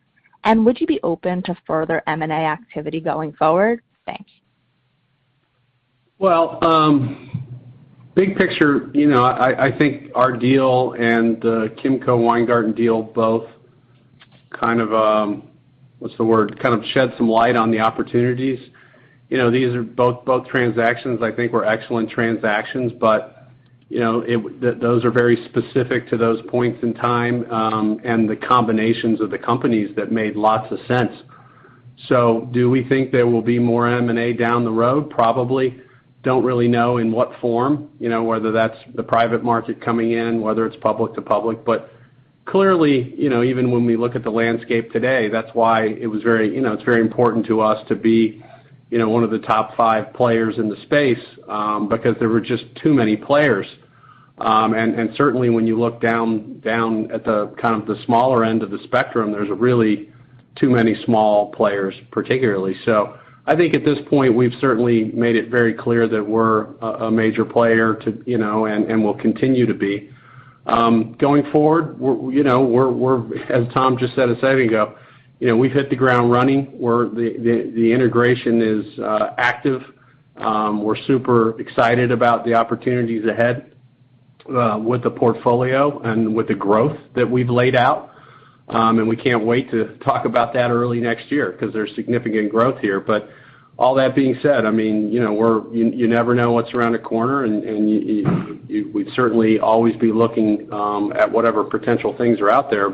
S11: Would you be open to further M&A activity going forward? Thanks.
S3: Well, big picture, you know, I think our deal and Kimco-Weingarten deal both kind of, what's the word, kind of shed some light on the opportunities. You know, these are both transactions I think were excellent transactions. Those are very specific to those points in time and the combinations of the companies that made lots of sense. Do we think there will be more M&A down the road? Probably. Don't really know in what form, you know, whether that's the private market coming in, whether it's public to public. Clearly, you know, even when we look at the landscape today, that's why it was very important to us to be one of the top five players in the space because there were just too many players. Certainly when you look down at the kind of the smaller end of the spectrum, there's really too many small players, particularly. I think at this point, we've certainly made it very clear that we're a major player, too, you know, and will continue to be. Going forward, you know, as Tom just said a second ago, you know, we've hit the ground running. The integration is active. We're super excited about the opportunities ahead with the portfolio and with the growth that we've laid out. We can't wait to talk about that early next year 'cause there's significant growth here. All that being said, I mean, you know, you never know what's around The Corner and you'd certainly always be looking at whatever potential things are out there.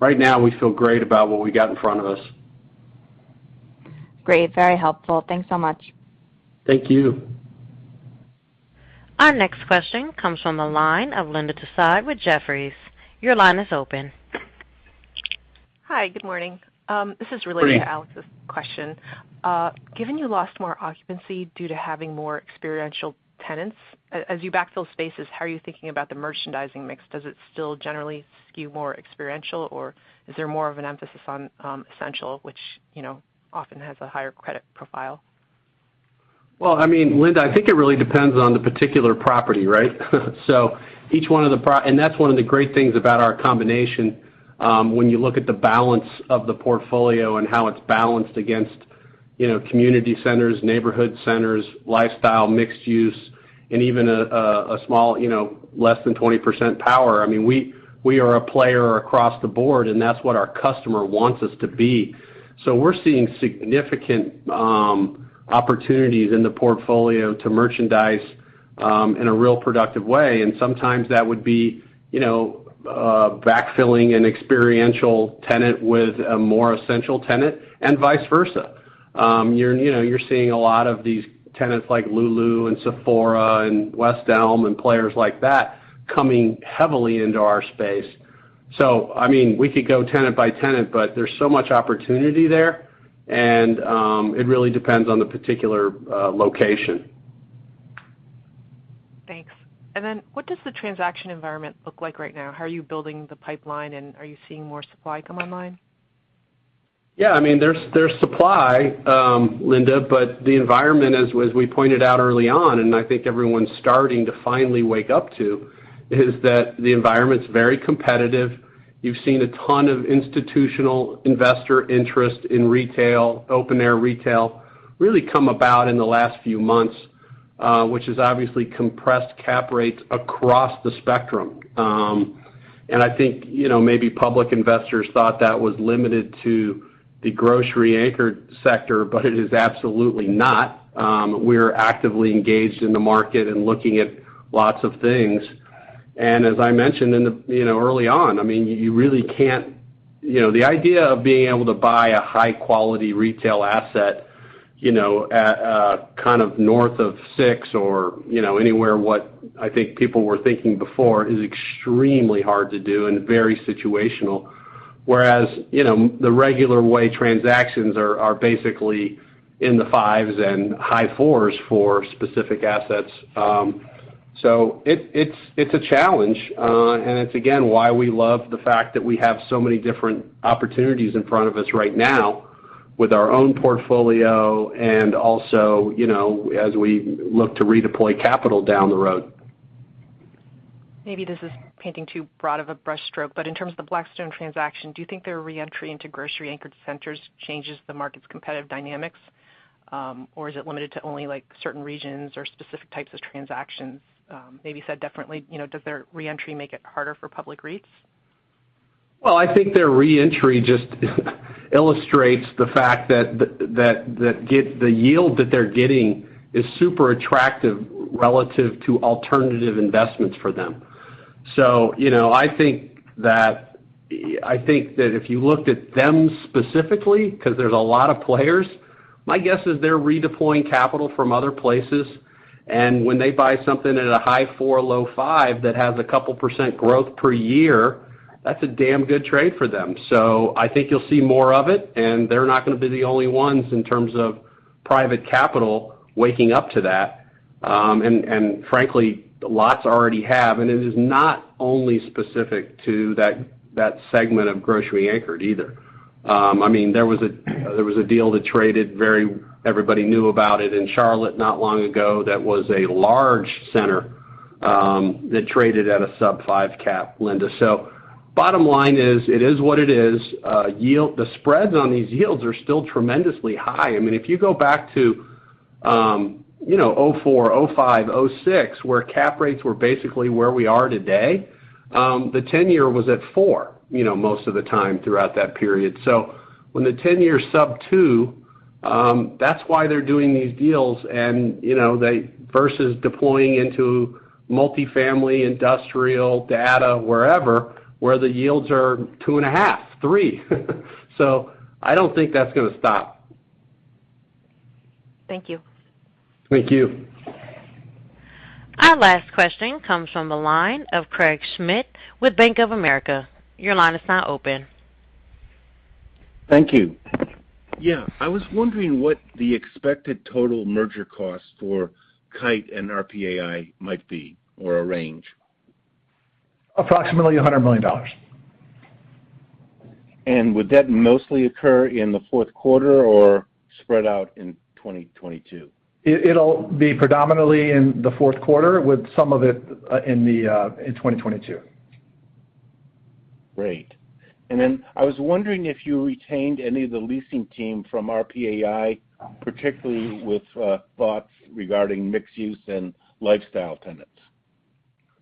S3: Right now, we feel great about what we got in front of us.
S11: Great, very helpful. Thanks so much.
S3: Thank you.
S1: Our next question comes from the line of Linda Tsai with Jefferies, your line is open.
S12: Hi, good morning. This is related-
S3: Morning.
S12: To Alex's question. Given you lost more occupancy due to having more experiential tenants, as you backfill spaces, how are you thinking about the merchandising mix? Does it still generally skew more experiential, or is there more of an emphasis on essential, which, you know, often has a higher credit profile?
S3: Well, I mean, Linda, I think it really depends on the particular property, right? Each one of the properties and that's one of the great things about our combination, when you look at the balance of the portfolio and how it's balanced against, you know, community centers, neighborhood centers, lifestyle, mixed use, and even a small, you know, less than 20% power. I mean, we are a player across the board, and that's what our customer wants us to be. We're seeing significant opportunities in the portfolio to merchandise in a real productive way. Sometimes that would be, you know, backfilling an experiential tenant with a more essential tenant and vice versa. You're seeing a lot of these tenants like Lululemon and Sephora and West Elm and players like that coming heavily into our space. I mean, we could go tenant by tenant, but there's so much opportunity there, and it really depends on the particular location.
S12: Thanks, and then what does the transaction environment look like right now? How are you building the pipeline, and are you seeing more supply come online?
S3: Yeah, I mean, there's supply, Linda, but the environment, as we pointed out early on, and I think everyone's starting to finally wake up to, is that the environment's very competitive. You've seen a ton of institutional investor interest in retail, open air retail, really come about in the last few months, which has obviously compressed cap rates across the spectrum. I think, you know, maybe public investors thought that was limited to the grocery anchored sector, but it is absolutely not. We're actively engaged in the market and looking at lots of things. As I mentioned in the, you know, early on, I mean, you really can't. You know, the idea of being able to buy a high quality retail asset, you know, at kind of north of 6% or, you know, anywhere what I think people were thinking before is extremely hard to do and very situational. Whereas, you know, the regular way transactions are basically in the 5% and high 4% for specific assets. It's a challenge. It's again why we love the fact that we have so many different opportunities in front of us right now with our own portfolio and also, you know, as we look to redeploy capital down the road.
S12: Maybe this is painting too broad of a brush stroke, but in terms of the Blackstone transaction, do you think their reentry into grocery anchored centers changes the market's competitive dynamics? Is it limited to only like certain regions or specific types of transactions? Maybe said differently, you know, does their reentry make it harder for public REITs?
S3: Well, I think their reentry just illustrates the fact that the yield that they're getting is super attractive relative to alternative investments for them. You know, I think that if you looked at them specifically, 'cause there's a lot of players, my guess is they're redeploying capital from other places. When they buy something at a high 4, low 5 that has a couple percent growth per year, that's a damn good trade for them. I think you'll see more of it, and they're not gonna be the only ones in terms of private capital waking up to that. Frankly, lots already have, and it is not only specific to that segment of grocery-anchored either. I mean, there was a deal that everybody knew about it in Charlotte not long ago that was a large center that traded at a sub-5 cap, Linda. Bottom line is, it is what it is. The spreads on these yields are still tremendously high. I mean, if you go back to, you know, 2004, 2005, 2006, where cap rates were basically where we are today, the 10-year was at 4, you know, most of the time throughout that period. When the 10-year is sub-2, that's why they're doing these deals and, you know, these versus deploying into multifamily, industrial, data, wherever, where the yields are 2.5, 3. I don't think that's gonna stop.
S12: Thank you.
S3: Thank you.
S1: Our last question comes from the line of Craig Schmidt with Bank of America, your line is now open.
S3: Thank you.
S13: Yeah. I was wondering what the expected total merger cost for KITE and RPAI might be, or a range.
S3: Approximately $100 million.
S13: Would that mostly occur in the fourth quarter or spread out in 2022?
S3: It'll be predominantly in the fourth quarter with some of it in 2022.
S13: Great, and then I was wondering if you retained any of the leasing team from RPAI, particularly with thoughts regarding mixed use and lifestyle tenants?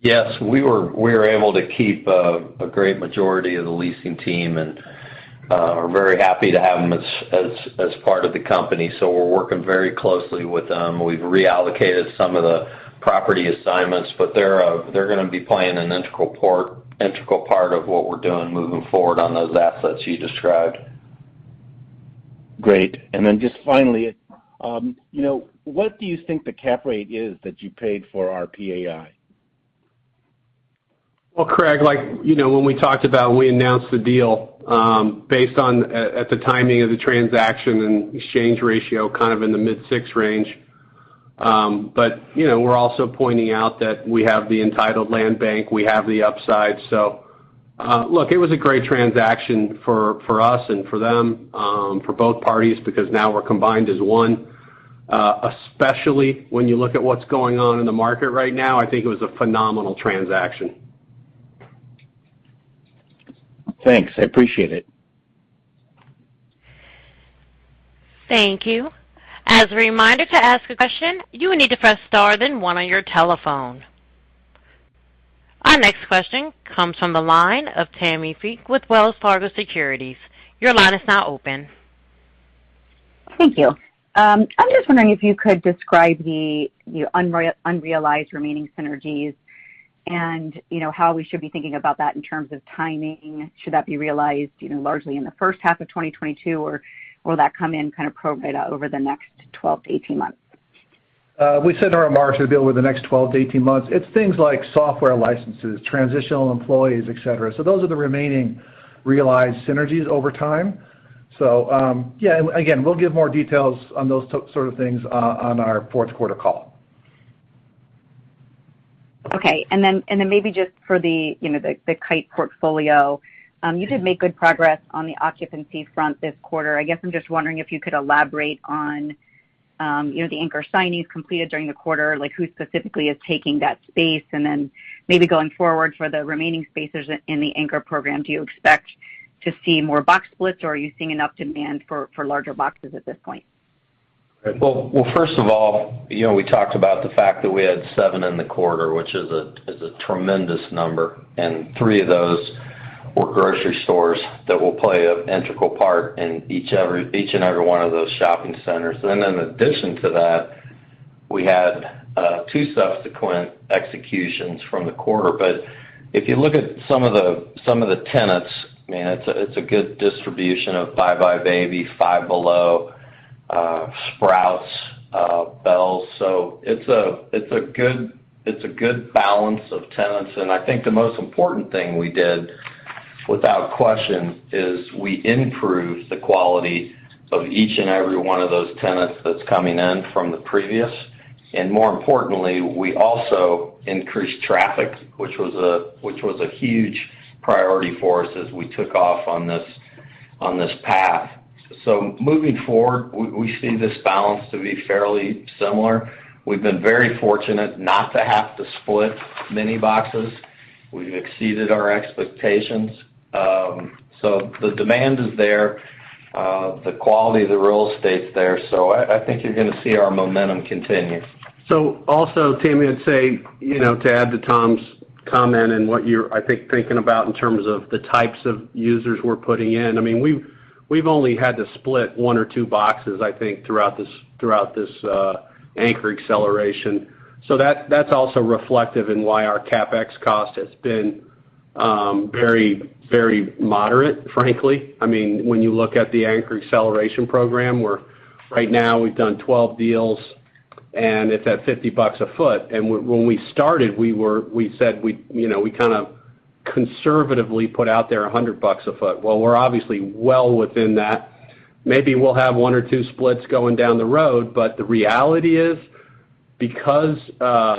S3: Yes, we were able to keep a great majority of the leasing team, and we're very happy to have them as part of the company. We're working very closely with them. We've reallocated some of the property assignments, but they're gonna be playing an integral part of what we're doing moving forward on those assets you described.
S13: Great, and then just finally, you know, what do you think the cap rate is that you paid for RPAI?
S3: Well, Craig, like, you know, when we talked about when we announced the deal, based on the timing of the transaction and exchange ratio kind of in the mid-6 range. You know, we're also pointing out that we have the entitled land bank, we have the upside. Look, it was a great transaction for us and for them, for both parties because now we're combined as one. Especially when you look at what's going on in the market right now, I think it was a phenomenal transaction.
S13: Thanks, I appreciate it.
S1: Thank you. As a reminder, to ask a question, you will need to press star then one on your telephone. Our next question comes from the line of Tammi Fique with Wells Fargo Securities, your line is now open.
S14: Thank you. I'm just wondering if you could describe the unrealized remaining synergies and, you know, how we should be thinking about that in terms of timing. Should that be realized, you know, largely in the first half of 2022, or will that come in kind of pro rata over the next 12 to 18 months?
S3: We said in our remarks it'll be over the next 12 to 18 months. It's things like software licenses, transitional employees, et cetera. Those are the remaining realized synergies over time. Yeah, again, we'll give more details on those sort of things on our fourth quarter call.
S14: Okay, and then maybe just for the, you know, the KITE portfolio, you did make good progress on the occupancy front this quarter. I guess I'm just wondering if you could elaborate on, you know, the anchor signings completed during the quarter, like who specifically is taking that space? Maybe going forward for the remaining spaces in the anchor program, do you expect to see more box splits, or are you seeing enough demand for larger boxes at this point?
S6: Well, first of all, you know, we talked about the fact that we had seven in the quarter, which is a tremendous number, and three of those were grocery stores that will play an integral part in each and every one of those shopping centers. Then in addition to that, we had two subsequent executions from the quarter. If you look at some of the tenants, man, it's a good distribution of buybuy BABY, Five Below, Sprouts, Bealls. It's a good balance of tenants. I think the most important thing we did, without question, is we improved the quality of each and every one of those tenants that's coming in from the previous. More importantly, we also increased traffic, which was a huge priority for us as we took off on this path. Moving forward, we see this balance to be fairly similar. We've been very fortunate not to have to split many boxes. We've exceeded our expectations. The demand is there. The quality of the real estate's there. I think you're gonna see our momentum continue.
S3: Also, Tammi, I'd say, you know, to add to Tom's comment and what you're, I think, thinking about in terms of the types of users we're putting in. I mean, we've only had to split one or two boxes, I think, throughout this anchor acceleration. That, that's also reflective in why our CapEx cost has been very moderate, frankly. I mean, when you look at the anchor acceleration program, right now we've done 12 deals, and it's at $50 a foot. When we started, we said we'd, you know, we kind of conservatively put out there $100 a foot. Well, we're obviously well within that. Maybe we'll have one or two splits going down the road, but the reality is, because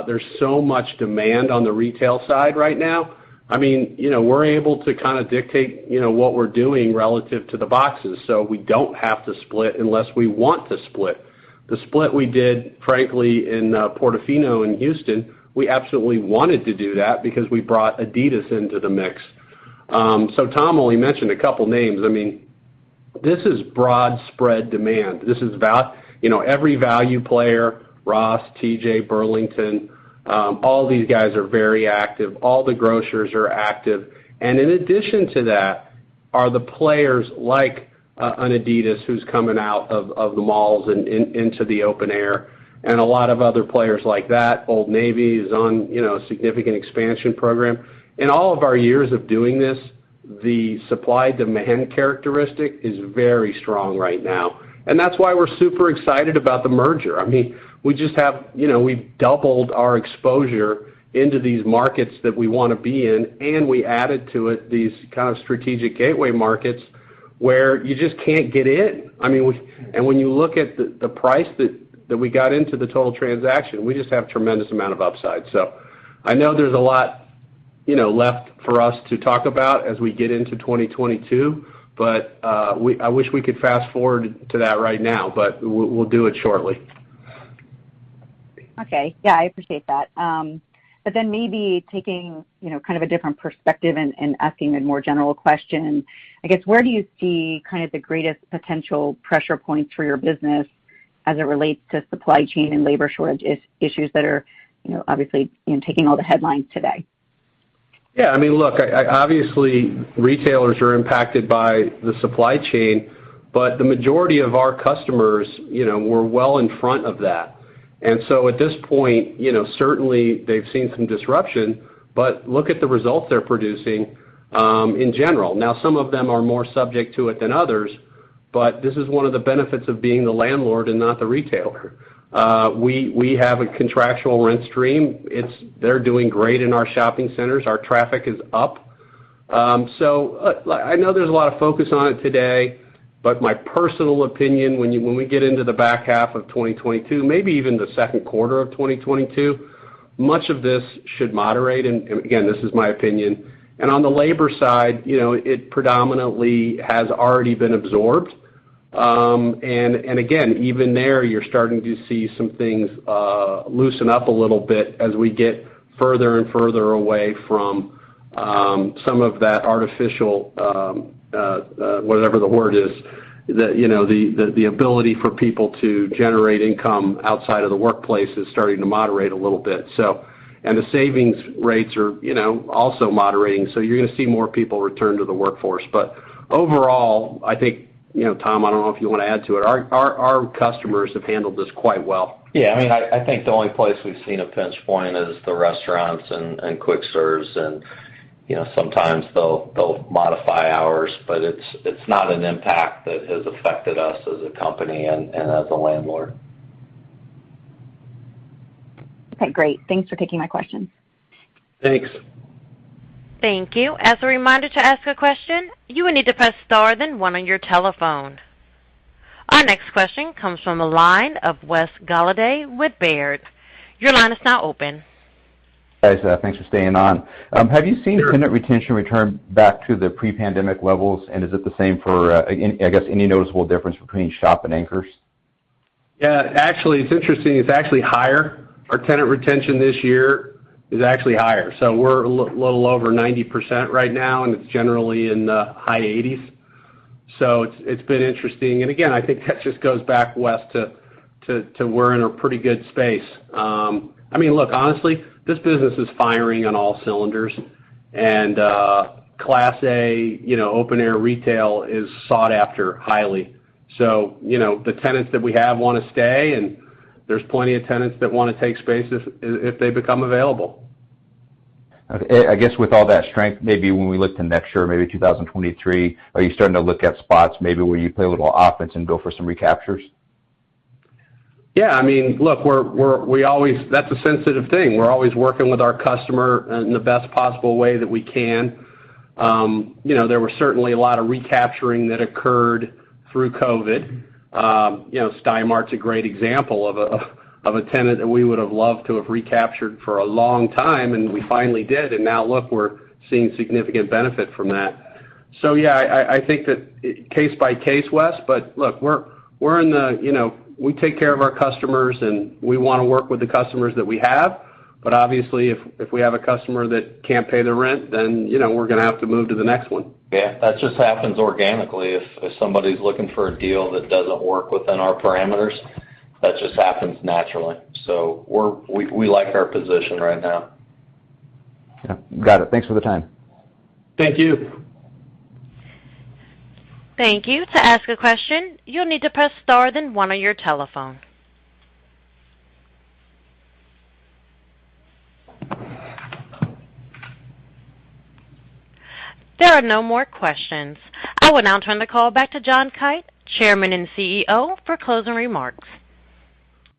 S3: there's so much demand on the retail side right now, I mean, you know, we're able to kind of dictate, you know, what we're doing relative to the boxes. So we don't have to split unless we want to split. The split we did, frankly, in Portofino in Houston, we absolutely wanted to do that because we brought adidas into the mix. So Tom only mentioned a couple names. I mean, this is broad spread demand. This is value, you know, every value player, Ross, T.J., Burlington, all these guys are very active. All the grocers are active. In addition to that are the players like an adidas who's coming out of the malls and into the open air, and a lot of other players like that. Old Navy is on, you know, a significant expansion program. In all of our years of doing this, the supply-demand characteristic is very strong right now. That's why we're super excited about the merger. I mean, we just have, you know, we've doubled our exposure into these markets that we wanna be in, and we added to it these kind of strategic gateway markets where you just can't get in. I mean, when you look at the price that we got into the total transaction, we just have tremendous amount of upside. I know there's a lot, you know, left for us to talk about as we get into 2022, but I wish we could fast-forward to that right now, but we'll do it shortly.
S14: Okay, yeah, I appreciate that. Maybe taking, you know, kind of a different perspective and asking a more general question. I guess, where do you see kind of the greatest potential pressure points for your business as it relates to supply chain and labor shortage issues that are, you know, obviously, you know, taking all the headlines today?
S3: Yeah, I mean, look, obviously, retailers are impacted by the supply chain, but the majority of our customers, you know, we're well in front of that. At this point, you know, certainly they've seen some disruption, but look at the results they're producing in general. Now some of them are more subject to it than others, but this is one of the benefits of being the landlord and not the retailer. We have a contractual rent stream. They're doing great in our shopping centers. Our traffic is up. So, like I know there's a lot of focus on it today, but my personal opinion, when we get into the back half of 2022, maybe even the second quarter of 2022, much of this should moderate. Again, this is my opinion. On the labor side, you know, it predominantly has already been absorbed. Again, even there, you're starting to see some things loosen up a little bit as we get further and further away from some of that artificial whatever the word is, the, you know, the ability for people to generate income outside of the workplace is starting to moderate a little bit, so. The savings rates are, you know, also moderating. You're gonna see more people return to the workforce. Overall, I think, you know, Tom, I don't know if you wanna add to it. Our customers have handled this quite well.
S6: Yeah, I mean, I think the only place we've seen a pinch point is the restaurants and quick serves and, you know, sometimes they'll modify hours, but it's not an impact that has affected us as a company and as a landlord.
S14: Okay, great. Thanks for taking my question.
S3: Thanks.
S1: Thank you. As a reminder to ask a question, you will need to press star then one on your telephone. Our next question comes from the line of Wes Golladay with Baird, your line is now open.
S15: Guys, thanks for staying on. Have you seen-
S3: Sure.
S15: Has tenant retention returned back to the pre-pandemic levels and is it the same for, I guess, any noticeable difference between shops and anchors?
S3: Yeah. Actually, it's interesting. It's actually higher. Our tenant retention this year is actually higher, so we're a little over 90% right now, and it's generally in the high 80s. It's been interesting. Again, I think that just goes back, Wes, to we're in a pretty good space. I mean, look, honestly, this business is firing on all cylinders and class A, you know, open air retail is sought after highly. You know, the tenants that we have wanna stay, and there's plenty of tenants that wanna take space if they become available.
S15: Okay, I guess with all that strength, maybe when we look to next year, maybe 2023, are you starting to look at spots maybe where you play a little offense and go for some recaptures?
S3: Yeah, I mean, look, that's a sensitive thing. We're always working with our customer in the best possible way that we can. You know, there were certainly a lot of recapturing that occurred through COVID. You know, Stein Mart's a great example of a tenant that we would've loved to have recaptured for a long time, and we finally did. Now look, we're seeing significant benefit from that. Yeah, I think that case by case, Wes, but look, we're in the. You know, we take care of our customers, and we wanna work with the customers that we have. Obviously, if we have a customer that can't pay the rent, then, you know, we're gonna have to move to the next one.
S6: Yeah. That just happens organically if somebody's looking for a deal that doesn't work within our parameters, that just happens naturally. We like our position right now.
S15: Yeah, got it. Thanks for the time.
S3: Thank you.
S1: Thank you. To ask a question, you'll need to press star then one on your telephone. There are no more questions. I will now turn the call back to John Kite, Chairman and CEO, for closing remarks.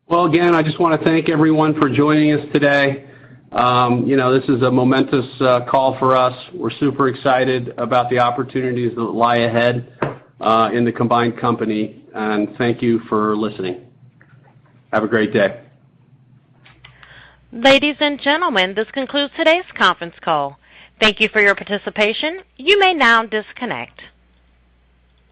S3: Well, again, I just wanna thank everyone for joining us today. You know, this is a momentous call for us. We're super excited about the opportunities that lie ahead in the combined company. Thank you for listening. Have a great day.
S1: Ladies and gentlemen, this concludes today's conference call. Thank you for your participation, you may now disconnect.